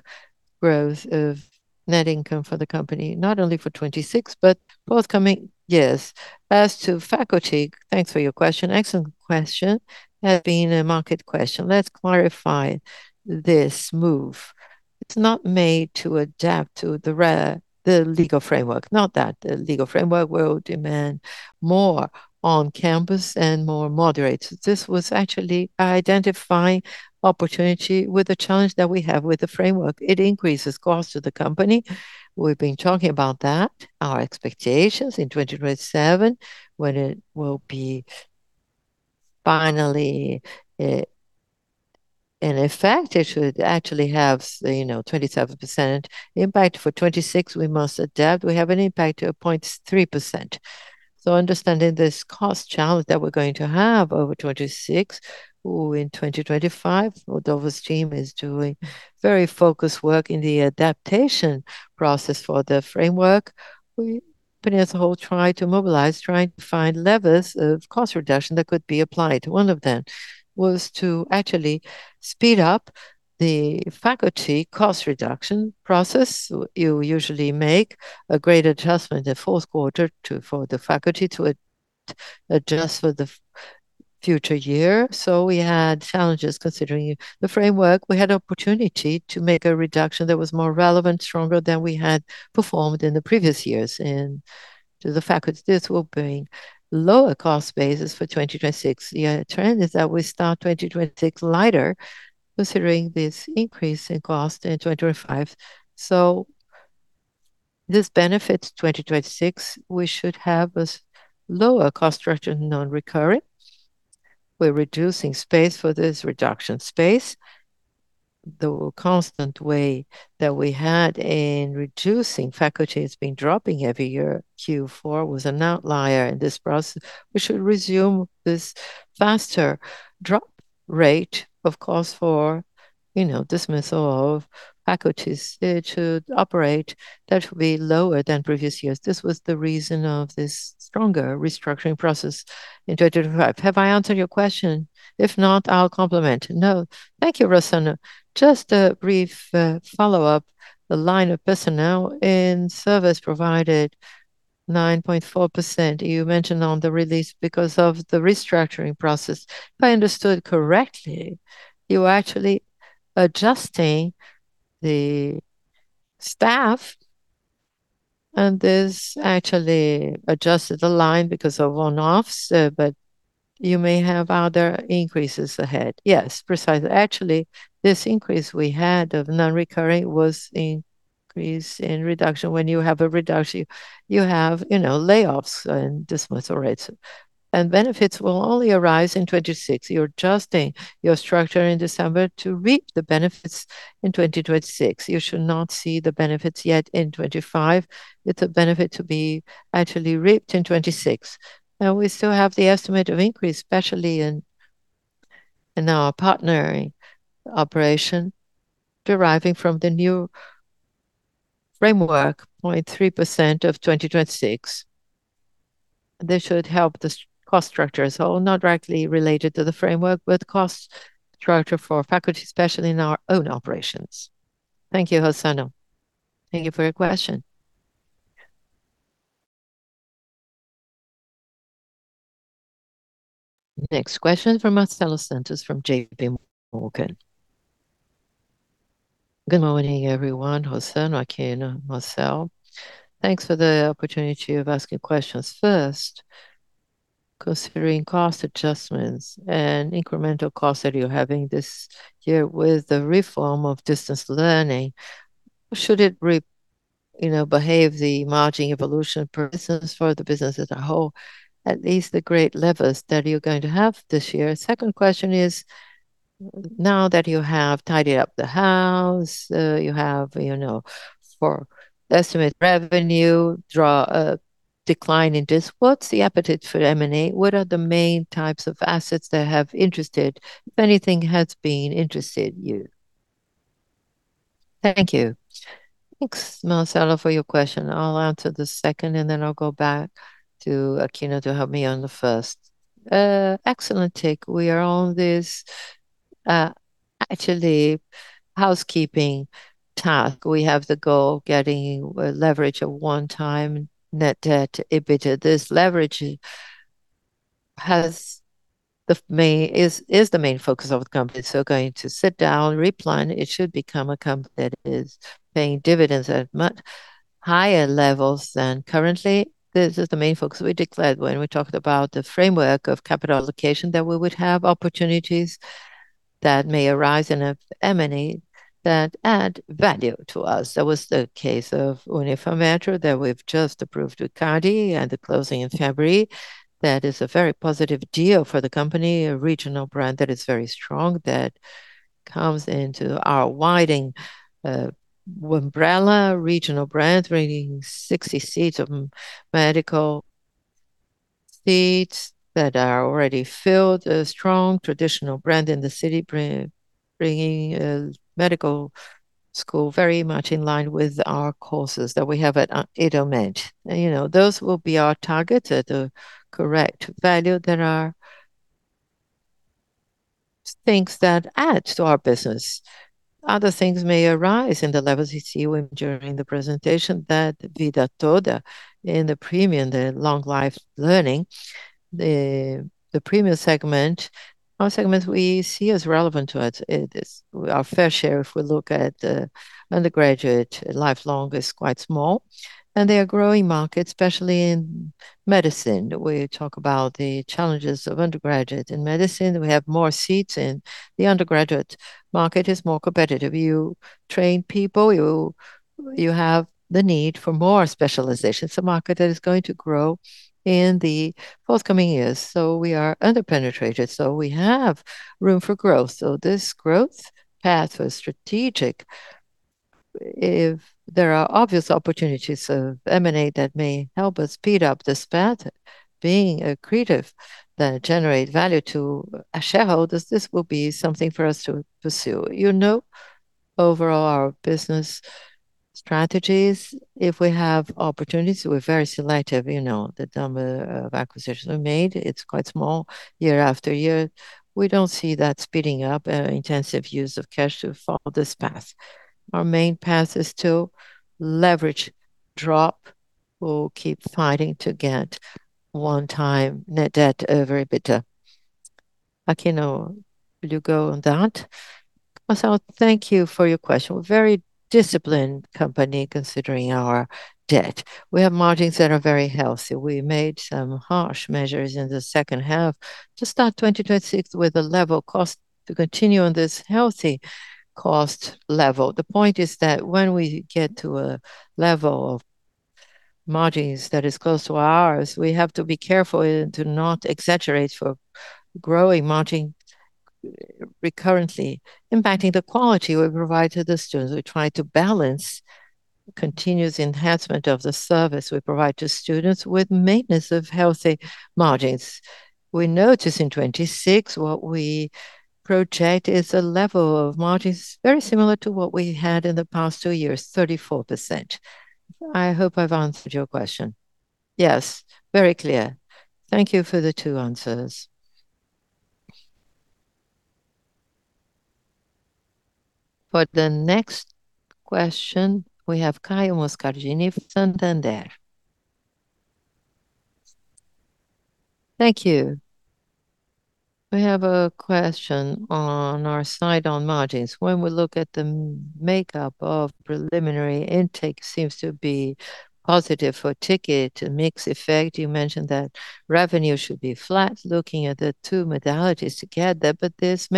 growth of net income for the company, not only for 2026, but both coming years. As to faculty, thanks for your question. Excellent question. Has been a market question. Let's clarify this move. It's not made to adapt to the legal framework. Not that the legal framework will demand more On-Campus and more moderators. This was actually identifying opportunity with the challenge that we have with the framework. It increases cost to the company. We've been talking about that, our expectations in 2027, when it will be finally in effect. It should actually have, you know, 27% impact. For 2026, we must adapt. We have an impact of 0.3%. Understanding this cost challenge that we're going to have over 2026, in 2025, Rodolfo's team is doing very focused work in the adaptation process for the framework. We, company as a whole, try to mobilize, try to find levers of cost reduction that could be applied. One of them was to actually speed up the faculty cost reduction process. You usually make a great adjustment in the fourth quarter to for the faculty to adjust for the future year. We had challenges considering the framework. We had opportunity to make a reduction that was more relevant, stronger than we had performed in the previous years into the faculty. This will bring lower cost basis for 2026. The trend is that we start 2026 lighter considering this increase in cost in 2025. This benefits 2026. We should have a lower cost structure, non-recurring. We're reducing staff for this reduction staff. The constant way that we had in reducing faculty has been dropping every year. Q4 was an outlier in this process. We should resume this faster drop rate of cost for, you know, dismissal of faculties. It should operate. That should be lower than previous years. This was the reason of this stronger restructuring process in 2025. Have I answered your question? If not, I'll complement. No. Thank you, Rossano. Just a brief follow-up. The line of personnel and service provided 9.4%. You mentioned on the release because of the restructuring process. If I understood correctly, you are actually adjusting the staff, and this actually adjusted the line because of one-offs, but you may have other increases ahead. Yes, precisely. Actually, this increase we had of non-recurring was increase in reduction. When you have a reduction, you have, you know, layoffs and dismissal rates. Benefits will only arise in 2026. You're adjusting your structure in December to reap the benefits in 2026. You should not see the benefits yet in 2025. It's a benefit to be actually reaped in 2026. Now, we still have the estimate of increase, especially in our partnering operation, deriving from the new framework, 0.3% of 2026. This should help the cost structure as a whole, not directly related to the framework, but the cost structure for faculty, especially in our own operations. Thank you, Rossano. Thank you for your question. Next question from Marcelo Santos from JPMorgan. Good morning, everyone. Rossano, Aquino, Marcel. Thanks for the opportunity of asking questions. First, considering cost adjustments and incremental costs that you're having this year with the reform of distance learning, should it, you know, behave the margin evolution purposes for the business as a whole? At least the great levers that you're going to have this year. Second question is, now that you have tidied up the house, you have, you know, for estimated revenue, draw a decline in this, what's the appetite for M&A? What are the main types of assets that have interested, if anything has been interested you? Thank you. Thanks, Marcelo, for your question. I'll answer the second, and then I'll go back to Aquino to help me on the first. Excellent take. We are on this actually housekeeping task. We have the goal getting leverage of 1x net debt EBITDA. This leverage is the main focus of the company. Going to sit down, replan, it should become a company that is paying dividends at much higher levels than currently. This is the main focus we declared when we talked about the framework of capital allocation, that we would have opportunities that may arise in M&A that add value to us. That was the case of Unifametro that we've just approved with CADE at the closing in February. That is a very positive deal for the company, a regional brand that is very strong, that comes into our Wyden umbrella regional brand, bringing 60 seats of medical seats that are already filled. A strong traditional brand in the city, bringing a medical school very much in line with our courses that we have at IDOMED. You know, those will be our target at the correct value. There are things that add to our business. Other things may arise in the levels you see during the presentation that Vida Toda in the Premium, the lifelong learning. The Premium segment are segments we see as relevant to us. It is our fair share if we look at the undergraduate lifelong is quite small, and they are growing markets, especially in medicine. We talk about the challenges of undergraduate in medicine. We have more seats in the undergraduate market. It's more competitive. You train people, you have the need for more specializations. It's a market that is going to grow in the forthcoming years. We are under-penetrated, so we have room for growth. This growth path was strategic. If there are obvious opportunities of M&A that may help us speed up this path, being accretive that generate value to shareholders, this will be something for us to pursue. You know, overall our business strategies, if we have opportunities, we're very selective. You know, the number of acquisitions we made, it's quite small year after year. We don't see that speeding up, intensive use of cash to follow this path. Our main path is to deleverage. We'll keep fighting to get 1x net debt over EBITDA. Aquino, will you go on that? Marcelo, thank you for your question. We're a very disciplined company considering our debt. We have margins that are very healthy. We made some harsh measures in the second half to start 2026 with a low cost to continue on this healthy cost level. The point is that when we get to a level of margins that is close to ours, we have to be careful to not exaggerate for growing margin recurrently, impacting the quality we provide to the students. We try to balance continuous enhancement of the service we provide to students with maintenance of healthy margins. We notice in 2026 what we project is a level of margins very similar to what we had in the past two years, 34%. I hope I've answered your question. Yes, very clear. Thank you for the two answers. For the next question, we have Caio Moscardini from Santander. Thank you. We have a question on our side on margins. When we look at the makeup of preliminary intake seems to be positive for ticket and mix effect. You mentioned that revenue should be flat looking at the two modalities together. This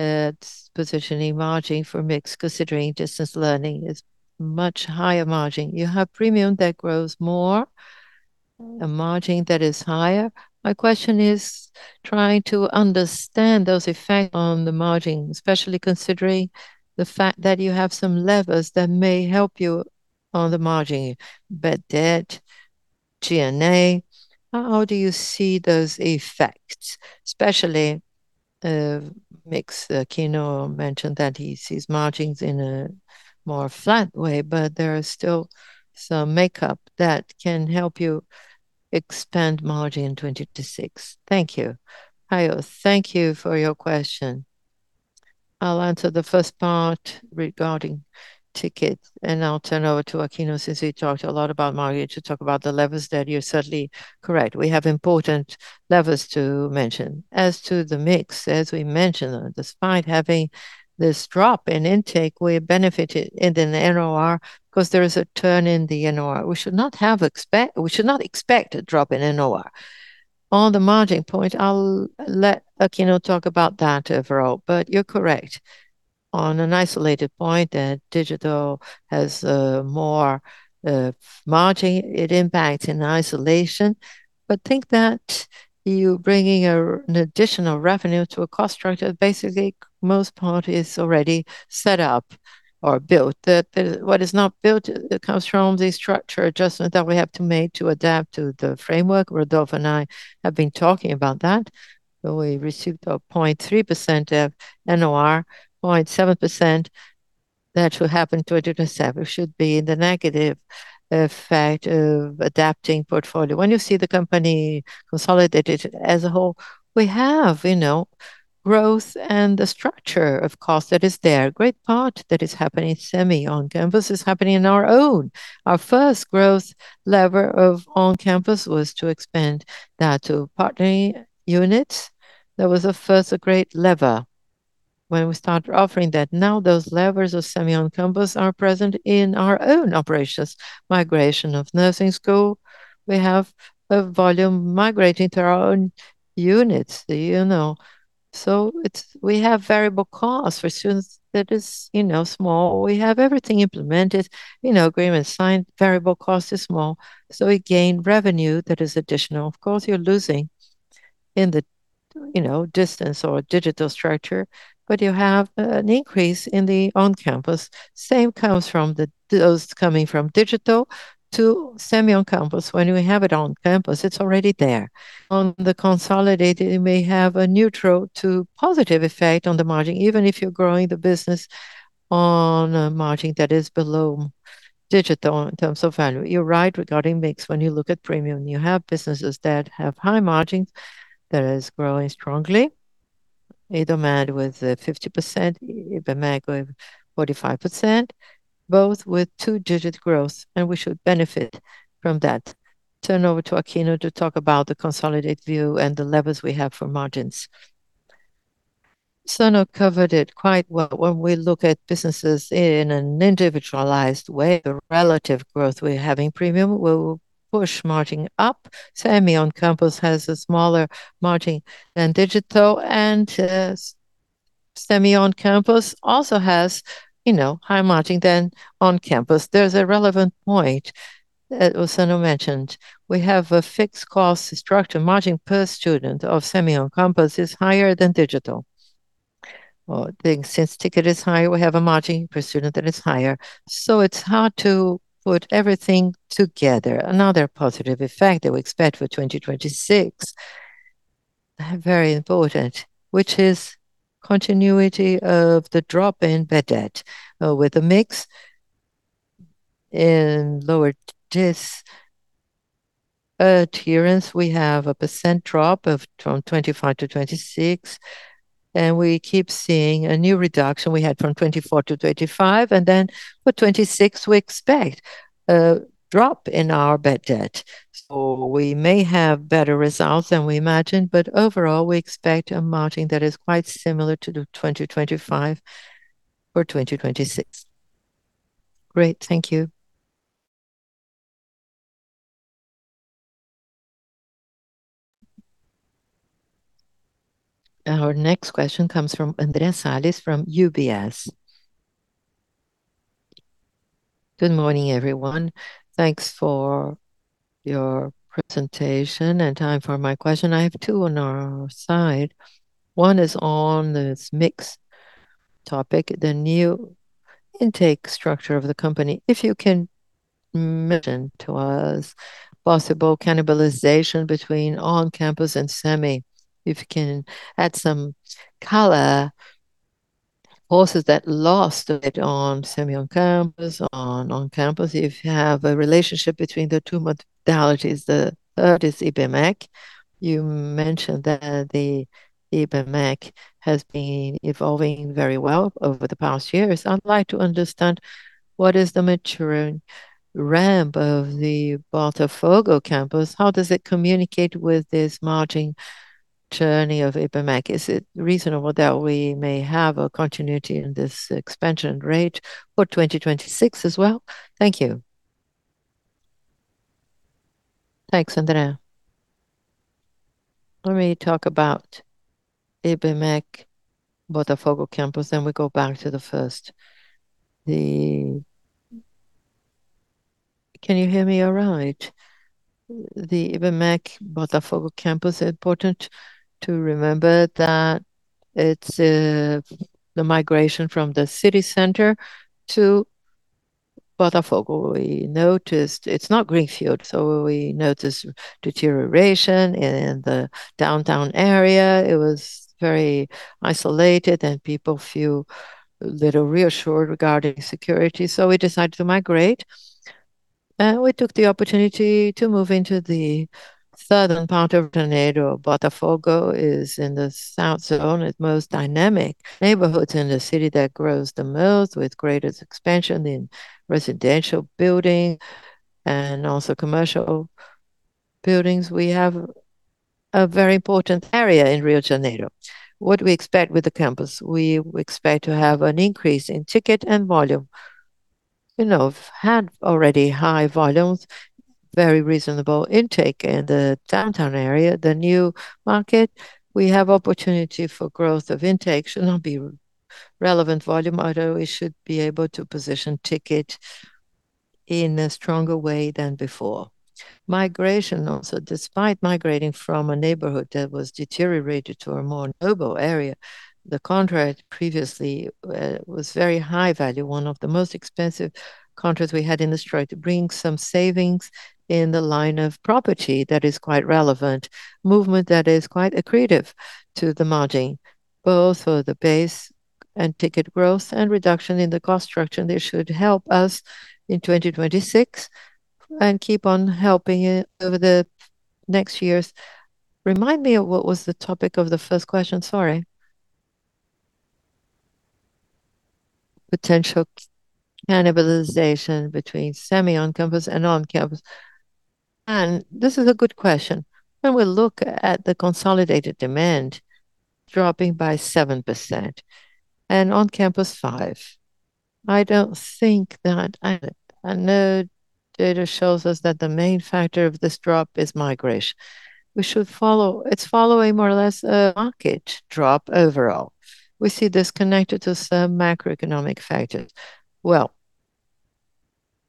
makeup positioning margin for mix considering distance learning is much higher margin. You have Premium that grows more, a margin that is higher. My question is trying to understand those effects on the margin, especially considering the fact that you have some levers that may help you on the margin, bad debt, G&A. How do you see those effects? Especially, mix. Alexandre Aquino mentioned that he sees margins in a more flat way, but there are still some makeup that can help you expand margin in 2026. Thank you. Caio, thank you for your question. I'll answer the first part regarding ticket, and I'll turn over to Aquino since he talked a lot about margin, to talk about the levers that you're certainly correct. We have important levers to mention. As to the mix, as we mentioned, despite having this drop in intake, we benefited in the NOR because there is a turn in the NOR. We should not expect a drop in NOR. On the margin point, I'll let Aquino talk about that overall. You're correct. On an isolated point, that digital has more margin, it impacts in isolation. But think that you bringing an additional revenue to a cost structure, basically most part is already set up or built. The what is not built, it comes from the structure adjustment that we have to make to adapt to the framework. Rodolfo and I have been talking about that. We received 0.3% of NOR, 0.7% that should happen to a different step. It should be in the negative effect of adapting portfolio. When you see the company consolidated as a whole, we have, you know, growth and the structure of cost that is there. Great part that is happening Semi On-Campus is happening in our own. Our first growth lever of On-Campus was to expand that to partnering units. That was a first great lever when we started offering that. Now, those levers of Semi On-Campus are present in our own operations. Migration of nursing school, we have a volume migrating to our own units, you know. It's. We have variable costs for students that is, you know, small. We have everything implemented, you know, agreements signed, variable cost is small, so we gain revenue that is additional. Of course, you're losing in the, you know, distance or digital structure, but you have an increase in the On-Campus. Same comes from those coming from digital to Semi On-Campus. When we have it On-Campus, it's already there. On the consolidated, it may have a neutral to positive effect on the margin, even if you're growing the business on a margin that is below digital in terms of value. You're right regarding mix. When you look at Premium, you have businesses that have high margins that is growing strongly. IDOMED with 50%, Ibmec with 45%, both with two-digit growth, and we should benefit from that. Turn over to Aquino to talk about the consolidated view and the levers we have for margins. Rossano covered it quite well. When we look at businesses in an individualized way, the relative growth we're having Premium will push margin up. Semi On-Campus has a smaller margin than digital, and Semi On-Campus also has, you know, higher margin than On-Campus. There's a relevant point that Rossano mentioned. We have a fixed cost structure. Margin per student of Semi On-Campus is higher than digital. Well, since ticket is higher, we have a margin per student that is higher. So it's hard to put everything together. Another positive effect that we expect for 2026, very important, which is continuity of the drop in bad debt. With the mix in lower DIS adherence, we have a percent drop from 2025 to 2026, and we keep seeing a new reduction we had from 2024 to 2025. Then for 2026, we expect a drop in our bad debt. We may have better results than we imagined, but overall, we expect a margin that is quite similar to the 2025 for 2026. Great. Thank you. Our next question comes from Andre Salles from UBS. Good morning, everyone. Thanks for your presentation and time for my question. I have two on our side. One is on this mix topic, the new intake structure of the company. If you can mention to us possible cannibalization between On-Campus and Semi. If you can add some color also that lost a bit on Semi On-Campus, On-Campus. If you have a relationship between the two modalities. The third is Ibmec. You mentioned that the Ibmec has been evolving very well over the past years. I'd like to understand what is the maturing ramp of the Botafogo campus. How does it communicate with this margin journey of Ibmec? Is it reasonable that we may have a continuity in this expansion rate for 2026 as well? Thank you. Thanks, Andre. Let me talk about Ibmec Botafogo campus, then we go back to the first. Can you hear me all right? The Ibmec Botafogo campus, important to remember that it's the migration from the city center to Botafogo. We noticed it's not greenfield, so we noticed deterioration in the downtown area. It was very isolated, and people feel a little reassured regarding security. We decided to migrate, and we took the opportunity to move into the southern part of Rio de Janeiro. Botafogo is in the south zone. It's one of the most dynamic neighborhoods in the city that grows the most with greatest expansion in residential building and also commercial buildings. We have a very important area in Rio de Janeiro. What we expect with the campus, we expect to have an increase in ticket and volume. You know, had already high volumes, very reasonable intake in the downtown area. The new market, we have opportunity for growth of intake. Should not be relevant volume, although we should be able to position the ticket in a stronger way than before. Migration also, despite migrating from a neighborhood that was deteriorated to a more noble area, the contract previously was very high value, one of the most expensive contracts we had in this street to bring some savings in the line of property that is quite relevant. Movement that is quite accretive to the margin, both for the base and ticket growth and reduction in the cost structure. This should help us in 2026 and keep on helping over the next years. Remind me of what was the topic of the first question. Sorry. Potential cannibalization between Semi On-Campus and On-Campus. This is a good question. When we look at the consolidated demand dropping by 7% and On-Campus 5%, I don't think that I know data shows us that the main factor of this drop is migration. It's following more or less a market drop overall. We see this connected to some macroeconomic factors. Well,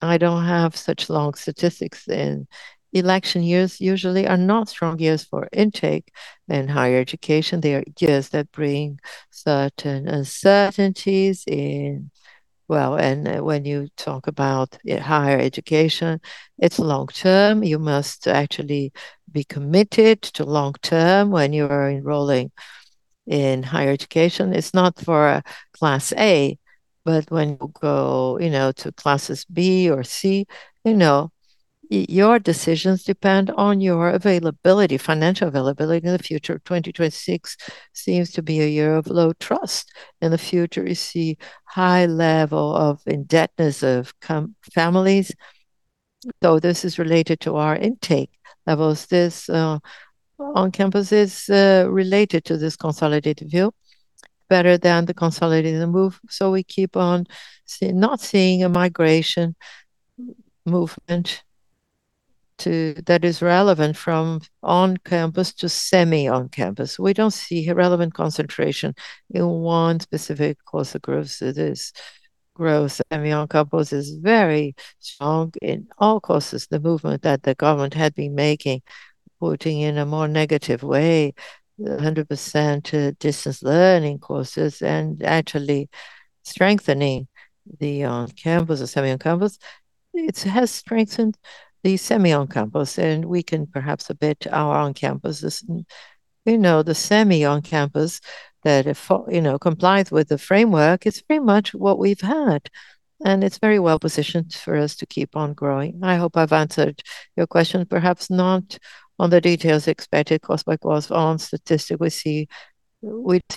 I don't have such long statistics. In election years usually are not strong years for intake in higher education. They are years that bring certain uncertainties in. Well, when you talk about higher education, it's long-term. You must actually be committed to long-term when you are enrolling in higher education. It's not for class A, but when you go, you know, to classes B or C, you know, your decisions depend on your availability, financial availability in the future. 2026 seems to be a year of low trust. In the future, we see high level of indebtedness of families. This is related to our intake levels. This On-Campus is related to this consolidated view better than the consolidated move. We keep on not seeing a migration movement to that is relevant from On-Campus to Semi On-Campus. We don't see a relevant concentration in one specific course of growth. This growth and the On-Campus is very strong in all courses. The movement that the government had been making, putting in a more negative way the 100% distance learning courses and actually strengthening the On-Campus or Semi On-Campus. It has strengthened the Semi On-Campus, and we can perhaps a bit our On-Campuses. You know, the Semi On-Campus that, you know, complies with the framework is pretty much what we've had, and it's very well-positioned for us to keep on growing. I hope I've answered your question, perhaps not on the details expected course by course. On statistics, we see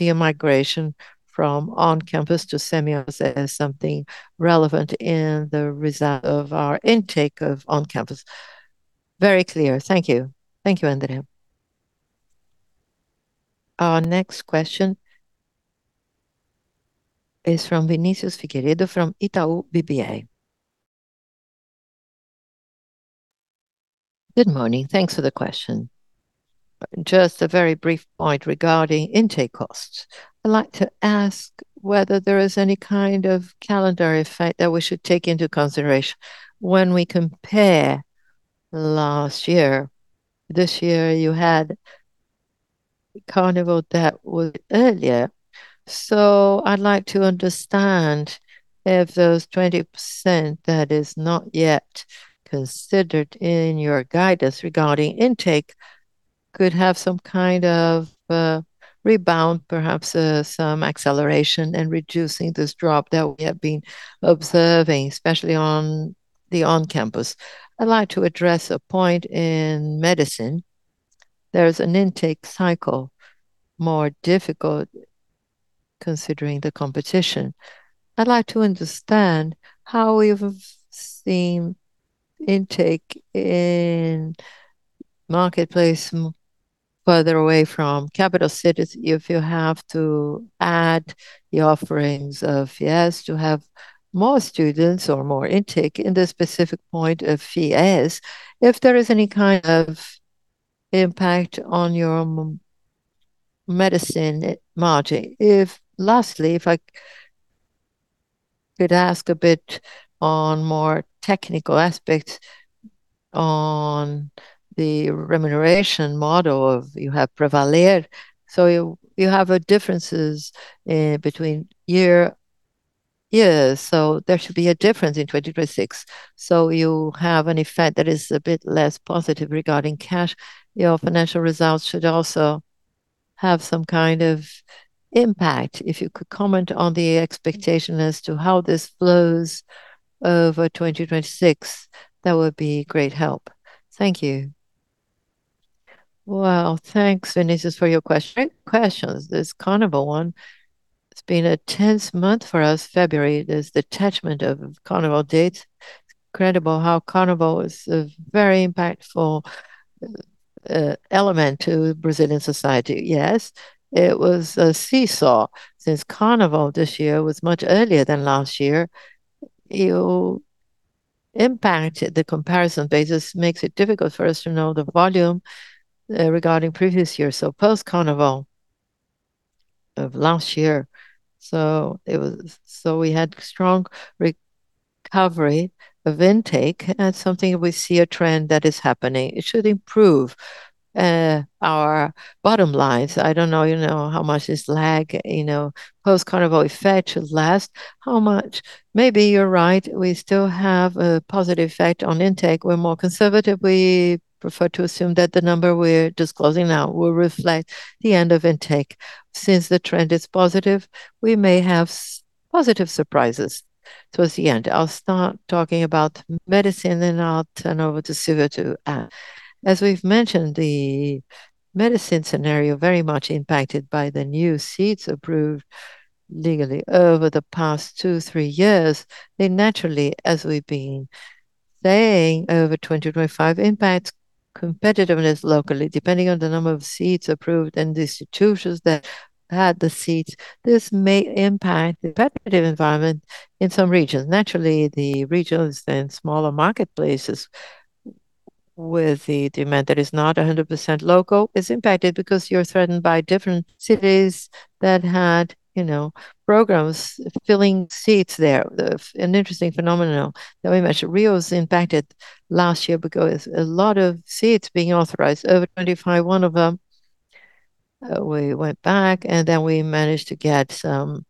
a migration from On-Campus to semi as something relevant in the result of our intake of On-Campus. Very clear. Thank you. Thank you, Andre. Our next question is from Vinicius Figueiredo from Itaú BBA. Good morning. Thanks for the question. Just a very brief point regarding intake costs. I'd like to ask whether there is any kind of calendar effect that we should take into consideration when we compare last year. This year you had Carnival that was earlier. I'd like to understand if those 20% that is not yet considered in your guidance regarding intake could have some kind of rebound, perhaps some acceleration in reducing this drop that we have been observing, especially on the On-Campus. I'd like to address a point in medicine. There's an intake cycle more difficult considering the competition. I'd like to understand how we've seen intake in marketplace further away from capital cities, if you have to add the offerings of FIES to have more students or more intake in the specific point of FIES, if there is any kind of impact on your medicine margin. Lastly, if I could ask a bit on more technical aspects on the remuneration model of. You have Pravaler. You have differences between years, so there should be a difference in 2026. You have an effect that is a bit less positive regarding cash. Your financial results should also have some kind of impact. If you could comment on the expectation as to how this flows over 2026, that would be great help. Thank you. Well, thanks, Vinicius, for your question. This Carnival one, it's been a tense month for us, February. There's detachment of Carnival dates. It's incredible how Carnival is a very impactful element to Brazilian society. Yes, it was a seesaw. Since Carnival this year was much earlier than last year, it impacts the comparison basis, makes it difficult for us to know the volume regarding previous years. Post-Carnival of last year. We had strong recovery of intake, and it's something we see a trend that is happening. It should improve our bottom lines. I don't know, you know, how much this lag, you know, Post-Carnival effect should last. How much? Maybe you're right. We still have a positive effect on intake. We're more conservative. We prefer to assume that the number we're disclosing now will reflect the end of intake. Since the trend is positive, we may have positive surprises towards the end. I'll start talking about medicine, then I'll turn over to Silvio to add. As we've mentioned, the medicine scenario very much impacted by the new seats approved legally over the past two, three years. They naturally, as we've been saying, over 2025 impacts competitiveness locally. Depending on the number of seats approved and the institutions that had the seats, this may impact the competitive environment in some regions. Naturally, the regions in smaller marketplaces with the demand that is not 100% local is impacted because you're threatened by different cities that had, you know, programs filling seats there. An interesting phenomenon that we mentioned. Rio was impacted last year because a lot of seats being authorized. Over 25, one of them, we went back, and then we managed to get some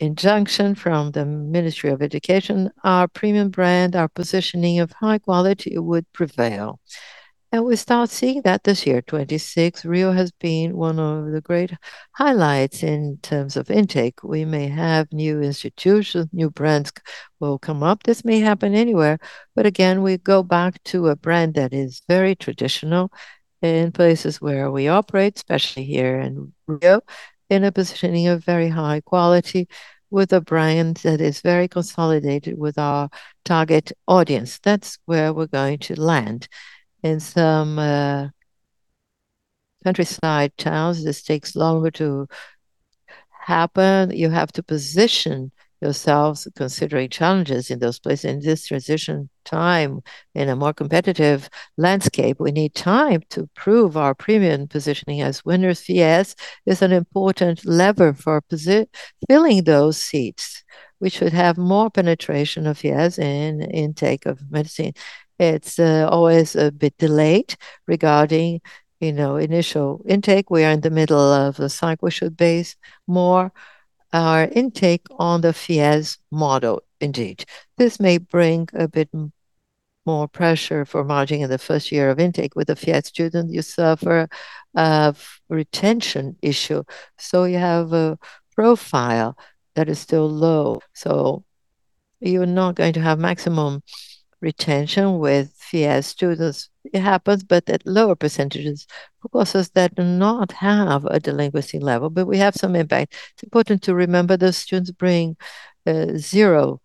injunction from the Ministry of Education. Our Premium brand, our positioning of high quality would prevail. We start seeing that this year, 2026. Rio has been one of the great highlights in terms of intake. We may have new institutions, new brands will come up. This may happen anywhere. Again, we go back to a brand that is very traditional in places where we operate, especially here in Rio, in a positioning of very high quality with a brand that is very consolidated with our target audience. That's where we're going to land. In some countryside towns, this takes longer to happen. You have to position yourselves considering challenges in those places. In this transition time in a more competitive landscape, we need time to prove our Premium positioning as winners. FIES is an important lever for filling those seats. We should have more penetration of FIES in intake of medicine. It's always a bit delayed regarding, you know, initial intake. We are in the middle of the cycle. We should base more our intake on the FIES model indeed. This may bring a bit more pressure for margin in the first year of intake. With the FIES student, you suffer a retention issue. You have a profile that is still low. You're not going to have maximum retention with FIES students. It happens, but at lower percentages. Courses that do not have a delinquency level, but we have some impact. It's important to remember those students bring zero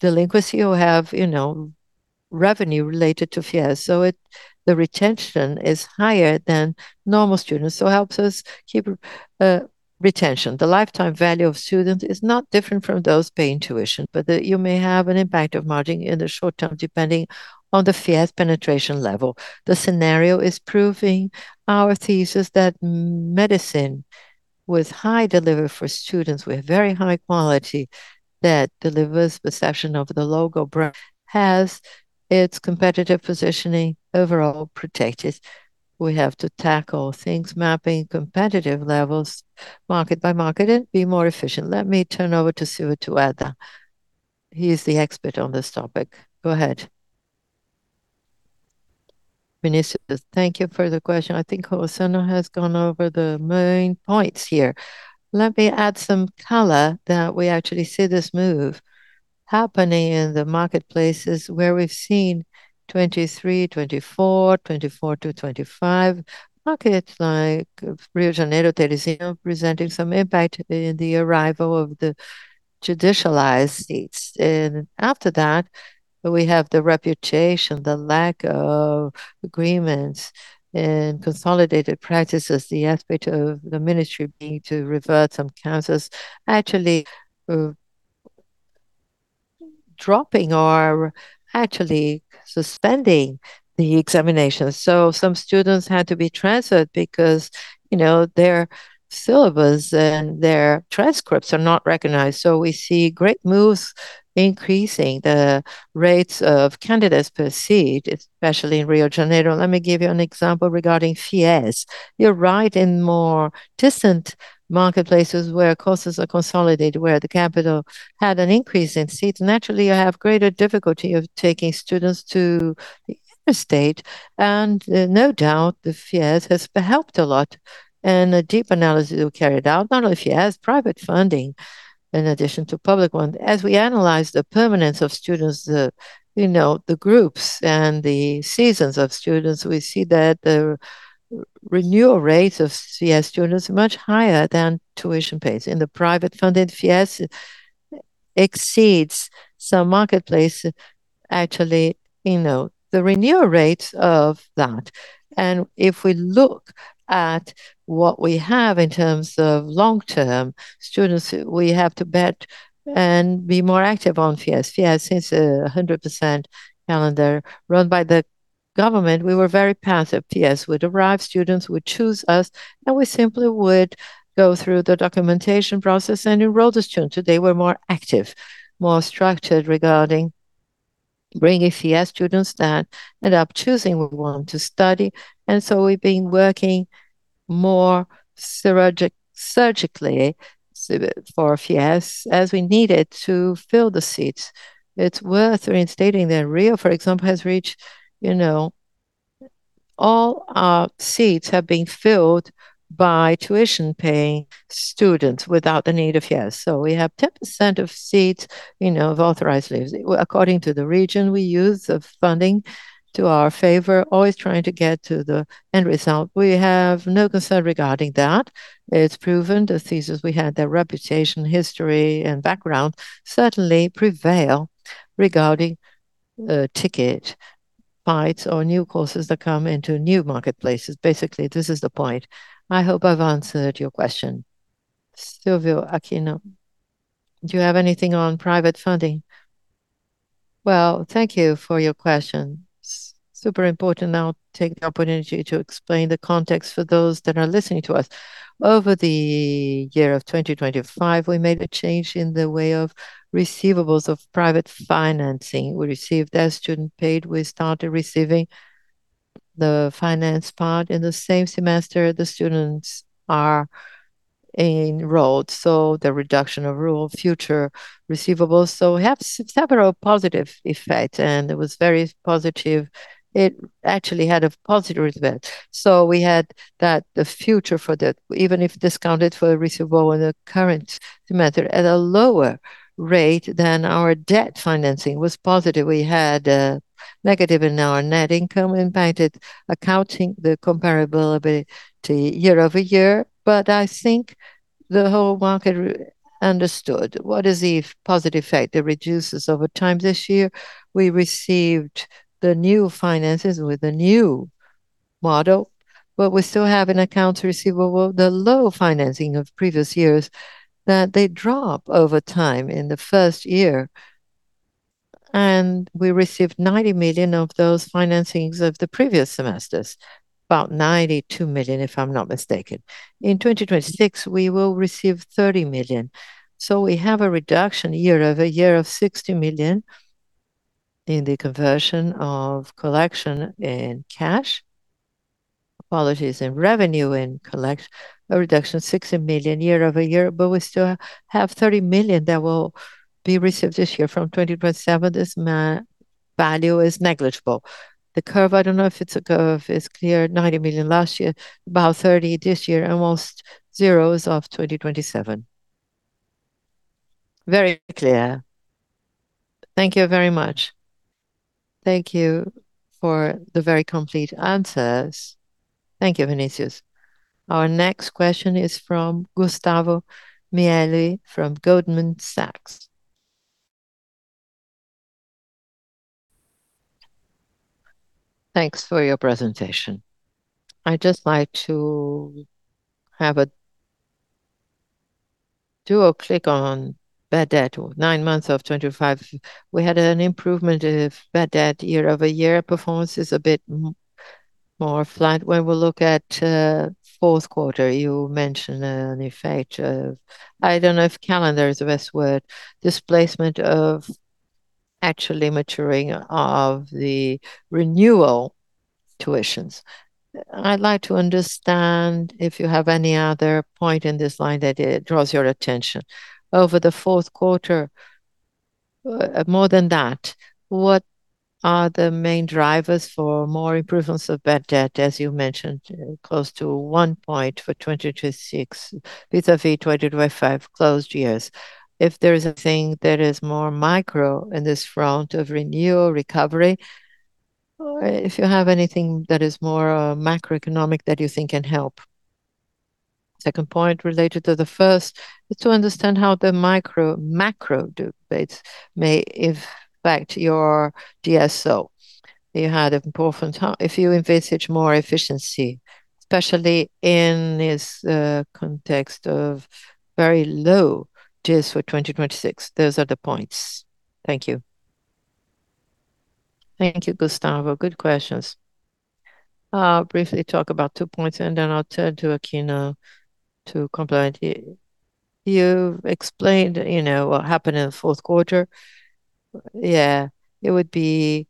delinquency or have, you know, revenue related to FIES. The retention is higher than normal students. It helps us keep retention. The lifetime value of students is not different from those paying tuition, but you may have an impact on margin in the short term depending on the FIES penetration level. The scenario is proving our thesis that medicine with high delivery for students, with very high quality that delivers perception of the logo brand has its competitive positioning overall protected. We have to tackle things, mapping competitive levels market by market and be more efficient. Let me turn over to Silvio to add that. He is the expert on this topic. Go ahead. Vinicius, thank you for the question. I think Rossano has gone over the main points here. Let me add some color that we actually see this move happening in the marketplaces where we've seen 2023, 2024-2025. Markets like Rio de Janeiro, Teresina presenting some impact in the arrival of the judicialized seats. After that, we have the reputation, the lack of agreements and consolidated practices, the aspect of the ministry being to revert some campuses actually dropping or actually suspending the examinations. Some students had to be transferred because, you know, their syllabus and their transcripts are not recognized. We see great moves increasing the rates of candidates per seat, especially in Rio de Janeiro. Let me give you an example regarding FIES. You're right. In more distant marketplaces where courses are consolidated, where the capital had an increase in seats, naturally, you have greater difficulty of taking students to the inner state. No doubt, the FIES has helped a lot. In a deep analysis we carried out, not only FIES, private funding in addition to public one. As we analyze the permanence of students, you know, the groups and the segments of students, we see that the renewal rates of FIES students are much higher than tuition payers. In the private-funded FIES, it exceeds some marketplace actually, you know, the renewal rates of that. If we look at what we have in terms of long-term students, we have to bet and be more active on FIES. FIES is a 100% calendar run by the Government, we were very passive. FIES would arrive, students would choose us, and we simply would go through the documentation process and enroll the student. Today, we're more active, more structured regarding bringing FIES students that end up choosing where we want to study. We've been working more surgically for FIES as we need it to fill the seats. It's worth reiterating that Rio, for example, has reached, you know. All our seats have been filled by tuition-paying students without the need of FIES. We have 10% of seats, you know, of authorized seats. According to the region we use, the funding to our favor, always trying to get to the end result. We have no concern regarding that. It's proven the thesis we had, the reputation, history, and background certainly prevail regarding ticket buys or new courses that come into new marketplaces. Basically, this is the point. I hope I've answered your question. Alexandre Aquino, do you have anything on private funding? Well, thank you for your question. Super important, I'll take the opportunity to explain the context for those that are listening to us. Over the year of 2025, we made a change in the way of receivables of private financing. We received as student paid. We started receiving the finance part in the same semester the students are enrolled, so the reduction of deferred future receivables. We have several positive effect, and it was very positive. It actually had a positive result. We had that the future for the. Even if discounted for a receivable in the current semester at a lower rate than our debt financing was positive. We had negative in our net income impacted accounting, the comparability year-over-year. I think the whole market understood what is the positive effect that reduces over time. This year, we received the new financings with a new model, but we still have in accounts receivable the low financing of previous years that they drop over time in the first year. We received 90 million of those financings of the previous semesters, about 92 million, if I'm not mistaken. In 2026, we will receive 30 million. We have a reduction year-over-year of 60 million in the conversion of collection in cash. Quality is in revenue, in collections. A reduction of 60 million year-over-year, but we still have 30 million that will be received this year. From 2027, this value is negligible. The curve, I don't know if it's a curve, is clear. 90 million last year, about 30 million this year, and almost zero from 2027. Very clear. Thank you very much. Thank you for the very complete answers. Thank you, Vinicius. Our next question is from Gustavo Miele from Goldman Sachs. Thanks for your presentation. I'd just like to have a deep dive on bad debt. Nine months of 2025, we had an improvement of bad debt year-over-year. Performance is a bit more flat. When we look at fourth quarter, you mentioned an effect of, I don't know if calendar is the best word, displacement of actual maturities of the renewal tuitions. I'd like to understand if you have any other point in this line that draws your attention. Over the fourth quarter, more than that, what are the main drivers for more improvements of bad debt, as you mentioned, close to 1 point for 2026, vis-à-vis 2025 closed years. If there is a thing that is more micro in this front of renewal, recovery, or if you have anything that is more macroeconomic that you think can help. Second point related to the first is to understand how the micro, macro debates may affect your DSO. If you envisage more efficiency, especially in this context of very low DIS for 2026. Those are the points. Thank you. Thank you, Gustavo Miele. Good questions. I'll briefly talk about two points, and then I'll turn to Alexandre Aquino to comment. You've explained, you know, what happened in the fourth quarter. Yeah, it would be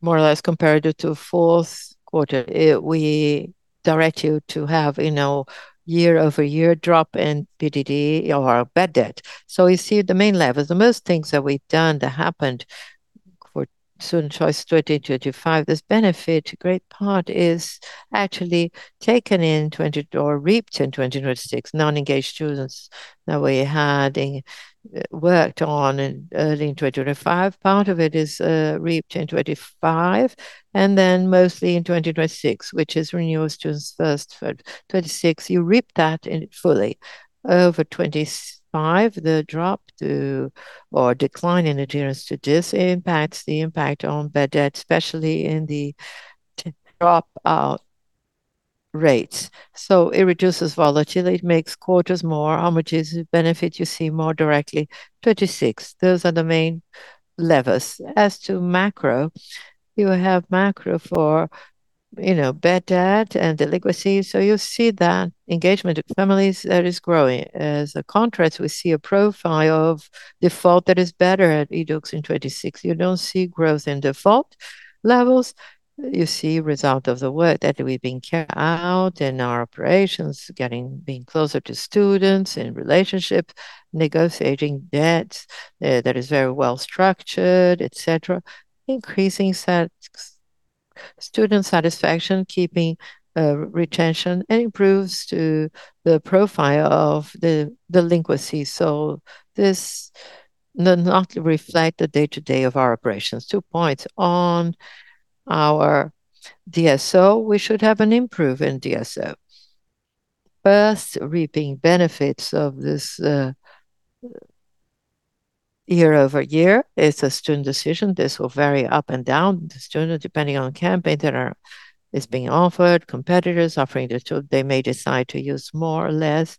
more or less comparative to fourth quarter. We direct you to have, you know, year-over-year drop in PDD or bad debt. We see the main levels. The most things that we've done that happened for student choice 2025, this benefit, a great part is actually taken in 2024 or reaped in 2026. Non-engaged students that we had worked on early in 2025. Part of it is reaped in 2025, and then mostly in 2026, which is renewal students first for 2026. You reap that fully. Over 2025, the drop to or decline in adherence to DIS impacts the impact on bad debt, especially in the dropout rates. It reduces volatility, it makes quarters more homogeneous, benefit you see more directly. 2026, those are the main levers. As to macro, you have macro for, you know, bad debt and delinquency. You see that engagement with families that is growing. As a contrast, we see a profile of default that is better at Yduqs in 2026. You don't see growth in default levels. You see result of the work that we've been carrying out in our operations, being closer to students in relationship, negotiating debts, that is very well structured, et cetera. Increasing student satisfaction, keeping retention, and improvement to the profile of the delinquency. This does not reflect the day-to-day of our operations. 2 points. On our DSO, we should have an improvement in DSO. First, reaping benefits of this, year-over-year is a student decision. This will vary up and down. The student, depending on campaign that is being offered, competitors offering this too, they may decide to use more or less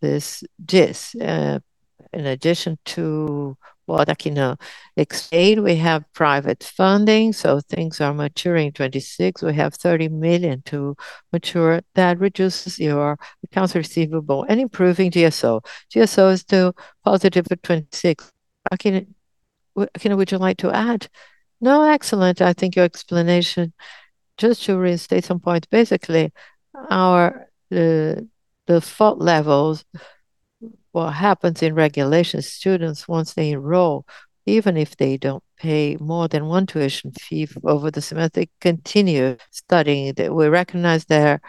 this DIS. In addition to what Aquino explained, we have private funding, so things are maturing. 2026, we have 30 million to mature. That reduces your accounts receivable and improving DSO. DSO is still positive at 2026. Aquino, would you like to add? No. Excellent. I think your explanation. Just to restate some points. Basically, the default levels, what happens in regulations, students once they enroll, even if they don't pay more than one tuition fee over the semester, they continue studying. We recognize their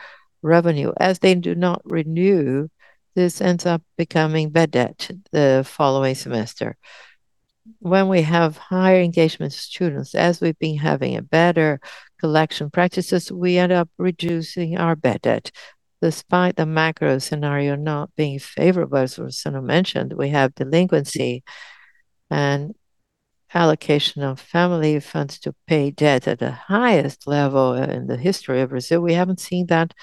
revenue. As they do not renew, this ends up becoming bad debt the following semester. When we have higher engagement students, as we've been having a better collection practices, we end up reducing our bad debt. Despite the macro scenario not being favorable, as Rossano mentioned, we have delinquency and allocation of family funds to pay debt at the highest level in the history of Brazil. We haven't seen that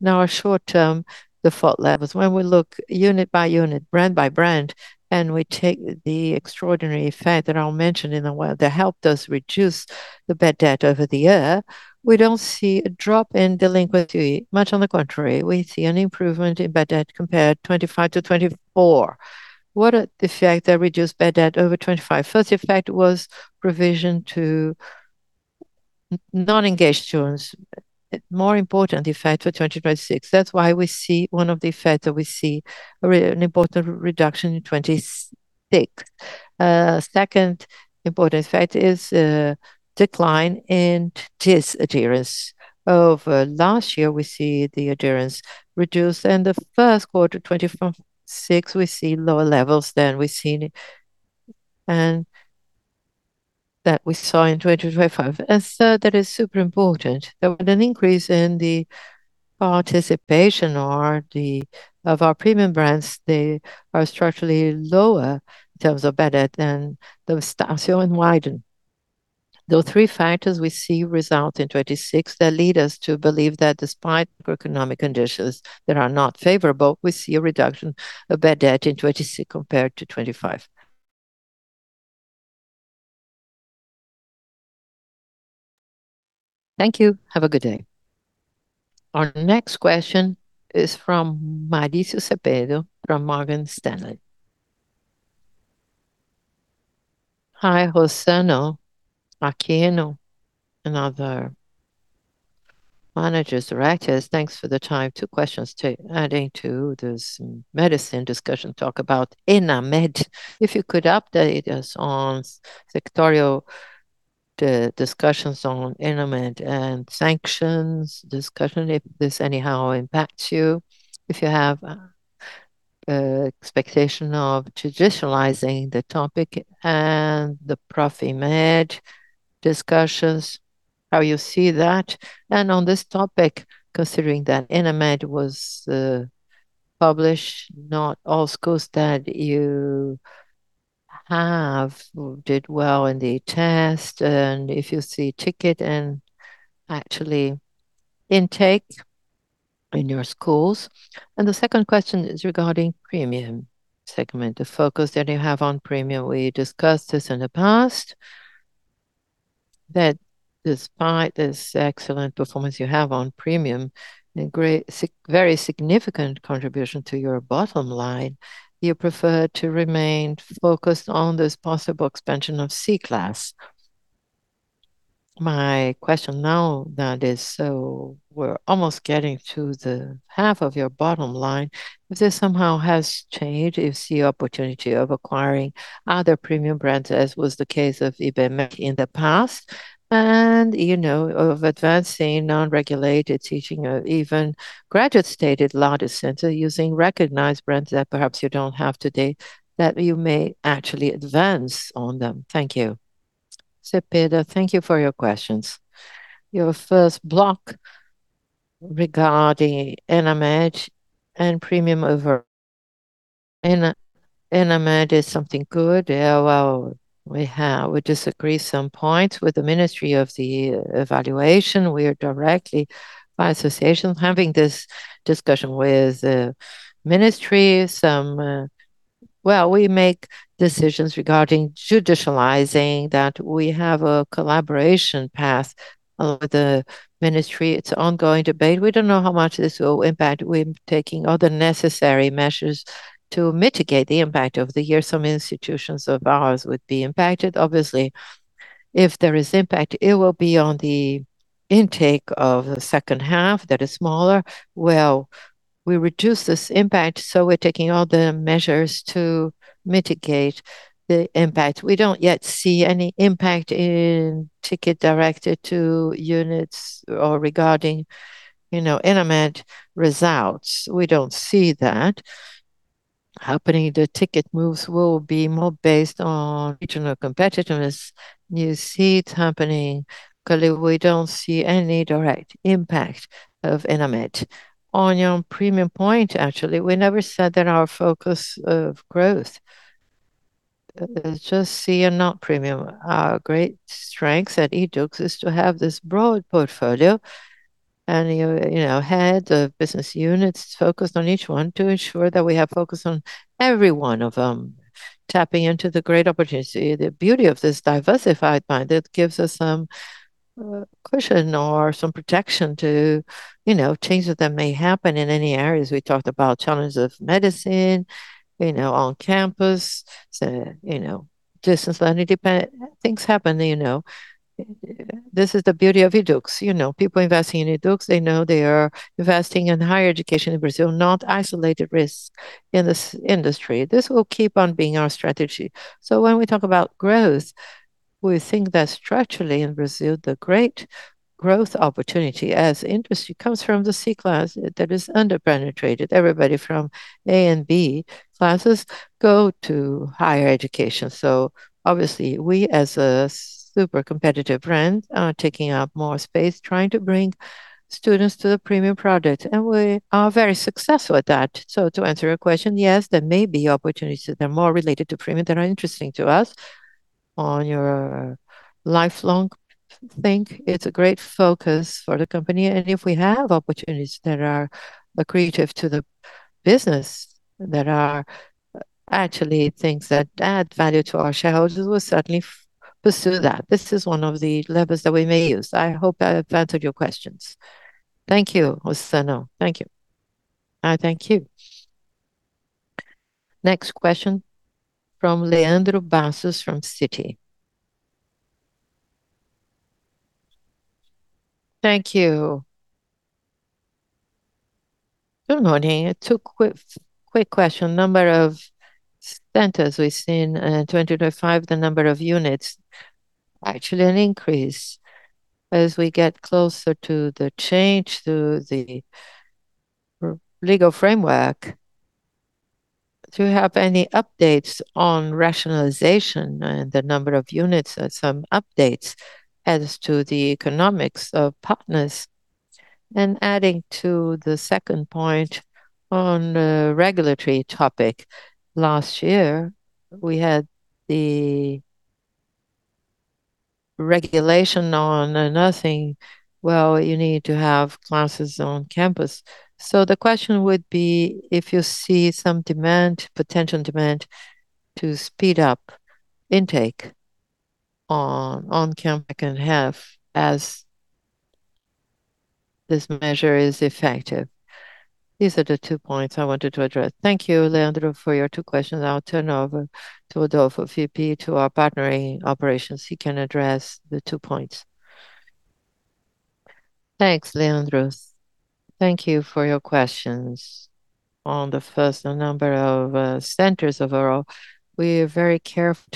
in our short-term default levels. When we look unit by unit, brand by brand, and we take the extraordinary effect that I'll mention in a while that helped us reduce the bad debt over the year, we don't see a drop in delinquency. Much on the contrary, we see an improvement in bad debt compared 2025 to 2024. What are the effects that reduced bad debt over 2025? First effect was revision to non-engaged students. More important effect for 2025, 2026. That's why we see one of the effects that we see an important reduction in 2026. Second important effect is decline in DIS adherence. Over last year, we see the adherence reduced. In the first quarter 2026, we see lower levels than we've seen and that we saw in 2025. Third, that is super important. There was an increase in the participation or the of our Premium brands. They are structurally lower in terms of bad debt than those Estácio and Wyden. Those three factors we see result in 2026 that lead us to believe that despite macroeconomic conditions that are not favorable, we see a reduction of bad debt in 2026 compared to 2025. Thank you. Have a good day. Our next question is from Mauricio Cepeda from Morgan Stanley. Hi, Rossano, Aquino, and other managers, directors. Thanks for the time. Two questions. Adding to this medicine discussion, talk about Enamed. If you could update us on sectorial discussions on Enamed and sanctions discussion, if this anyhow impacts you. If you have expectation of traditionalizing the topic and the [Profimed discussions, how you see that? On this topic, considering that Enamed was published, not all schools that you have did well in the test, and if you see tick up and actually intake in your schools. The second question is regarding Premium segment, the focus that you have on Premium. We discussed this in the past that despite this excellent performance you have on Premium, and great very significant contribution to your bottom line, you prefer to remain focused on this possible expansion of C class. My question now that is so we're almost getting to the half of your bottom line, if this somehow has changed, if you see opportunity of acquiring other Premium brands as was the case of Ibmec in the past and, you know, of advancing non-regulated teaching or even graduate studies law dentistry using recognized brands that perhaps you don't have today, that you may actually advance on them. Thank you. Cepeda, thank you for your questions. Your first point regarding Enamed and Premium over Enamed did something good. Yeah, well, we disagree some points with the Ministry of Education. We are directly by association having this discussion with the Ministry. Well, we make decisions regarding judicializing that we have a collaboration path with the Ministry. It's ongoing debate. We don't know how much this will impact. We're taking all the necessary measures to mitigate the impact over the years. Some institutions of ours would be impacted. Obviously, if there is impact, it will be on the intake of the second half that is smaller. Well, we reduce this impact, so we're taking all the measures to mitigate the impact. We don't yet see any impact in ticket directed to units or regarding, you know, Enamed results. We don't see that happening. The ticket moves will be more based on regional competitiveness. You see it happening. Clearly, we don't see any direct impact of Enamed. On your Premium point, actually, we never said that our focus of growth is just C and not Premium. Our great strengths at Yduqs is to have this broad portfolio and you know head the business units focused on each one to ensure that we have focus on every one of them. Tapping into the great opportunity, the beauty of this diversified brand, it gives us some cushion or some protection to you know changes that may happen in any areas. We talked about challenges of medicine, you know, On-Campus, you know, distance learning. Things happen, you know. This is the beauty of Yduqs. You know, people investing in Yduqs, they know they are investing in higher education in Brazil, not isolated risks in this industry. This will keep on being our strategy. When we talk about growth, we think that structurally in Brazil, the great growth opportunity in the industry comes from the C class that is under-penetrated. Everybody from A and B classes go to higher education. Obviously, we as a super competitive brand are taking up more space trying to bring students to the Premium product, and we are very successful at that. To answer your question, yes, there may be opportunities that are more related to Premium that are interesting to us. On your lifelong thing, it's a great focus for the company. If we have opportunities that are accretive to the business, that are actually things that add value to our shareholders, we'll certainly pursue that. This is one of the levers that we may use. I hope I have answered your questions. Thank you, Rossano. Thank you. I thank you. Next question from Leandro Bastos from Citi. Thank you. Good morning. Two quick question. Number of centers we've seen, 2025, the number of units actually an increase. As we get closer to the change to the legal framework, do you have any updates on rationalization and the number of units or some updates as to the economics of partners? Adding to the second point on the regulatory topic, last year, we had the regulation on nothing. Well, you need to have classes on campus. The question would be if you see some demand, potential demand to speed up intake On-Campus second half as this measure is effective. These are the two points I wanted to address. Thank you, Leandro, for your two questions. I'll turn over to Rodolfo, VP to our Partnering Operations. He can address the two points. Thanks, Leandro. Thank you for your questions. On the first, the number of centers overall, we're very careful.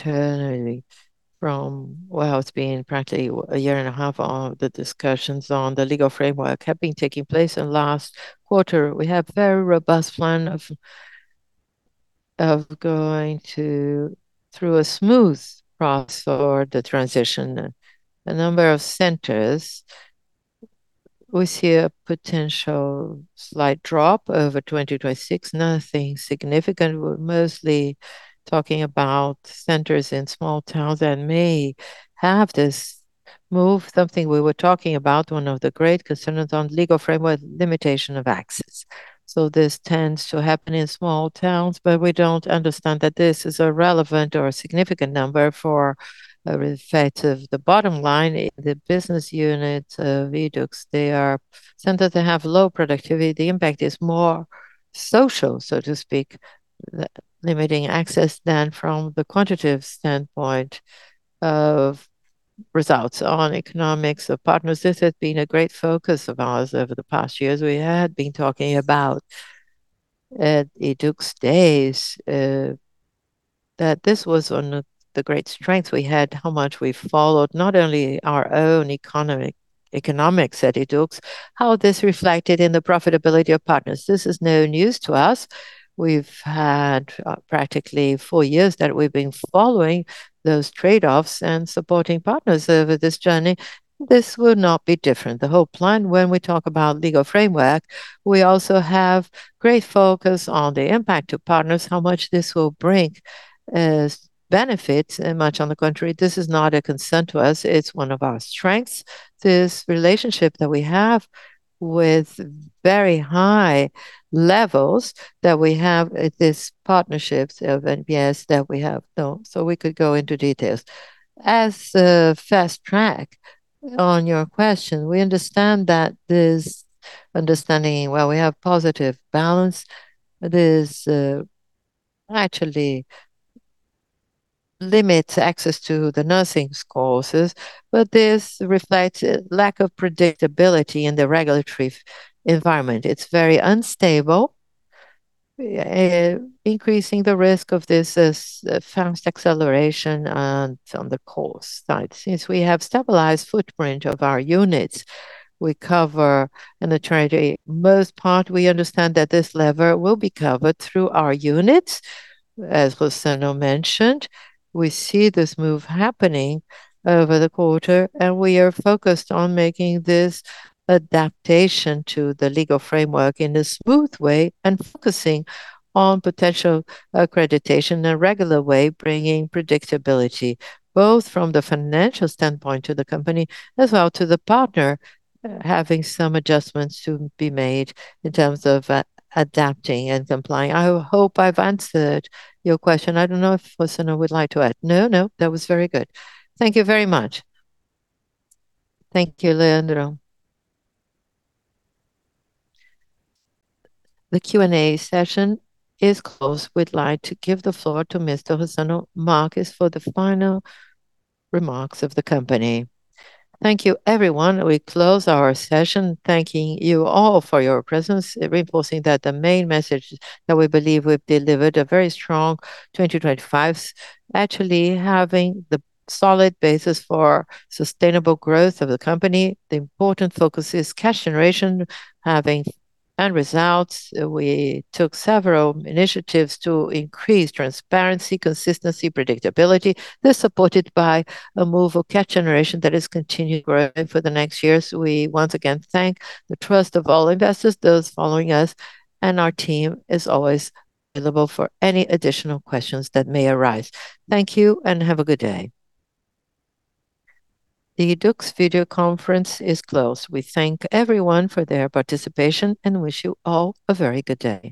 It's been practically a year and a half of the discussions on the legal framework have been taking place. Last quarter, we have very robust plan of going through a smooth process for the transition. The number of centers, we see a potential slight drop over 2026, nothing significant. We're mostly talking about centers in small towns that may have this move, something we were talking about, one of the great concerns on legal framework, limitation of access. This tends to happen in small towns, but we don't understand that this is a relevant or a significant number for effect of the bottom line. The business unit of Yduqs, they are centers that have low productivity, the impact is more social, so to speak, limiting access than from the quantitative standpoint of results on economics of partners. This has been a great focus of ours over the past years. We had been talking about at Yduqs Days, that this was one of the great strengths we had, how much we followed not only our own economics at Yduqs. How this reflected in the profitability of partners. This is no news to us. We've had, practically four years that we've been following those trade-offs and supporting partners over this journey. This will not be different. The whole plan when we talk about legal framework, we also have great focus on the impact to partners, how much this will bring, benefits and much on the country. This is not a concern to us, it's one of our strengths. This relationship that we have with very high levels that we have this partnerships of NPS that we have. We could go into details. As a fast track on your question, we understand that this understanding, well, we have positive balance. This actually limits access to the nursing's courses, but this reflects a lack of predictability in the regulatory environment. It's very unstable. Increasing the risk of this is fast acceleration and on the course side. Since we have stabilized footprint of our units, we cover in the 20 most part, we understand that this lever will be covered through our units, as Rossano mentioned. We see this move happening over the quarter, and we are focused on making this adaptation to the legal framework in a smooth way and focusing on potential accreditation in a regular way, bringing predictability, both from the financial standpoint to the company, as well to the partner, having some adjustments to be made in terms of adapting and complying. I hope I've answered your question. I don't know if Rossano would like to add. No, no, that was very good. Thank you very much. Thank you, Leandro. The Q&A session is closed. We'd like to give the floor to Mr. Rossano Marques for the final remarks of the company. Thank you, everyone. We close our session thanking you all for your presence, reinforcing that the main message that we believe we've delivered a very strong 2025, actually having the solid basis for sustainable growth of the company. The important focus is cash generation, having end results. We took several initiatives to increase transparency, consistency, predictability. This, supported by a move of cash generation that is continually growing for the next years. We once again thank for the trust of all investors and those following us, and our team is always available for any additional questions that may arise. Thank you and have a good day. The Yduqs video conference is closed. We thank everyone for their participation and wish you all a very good day.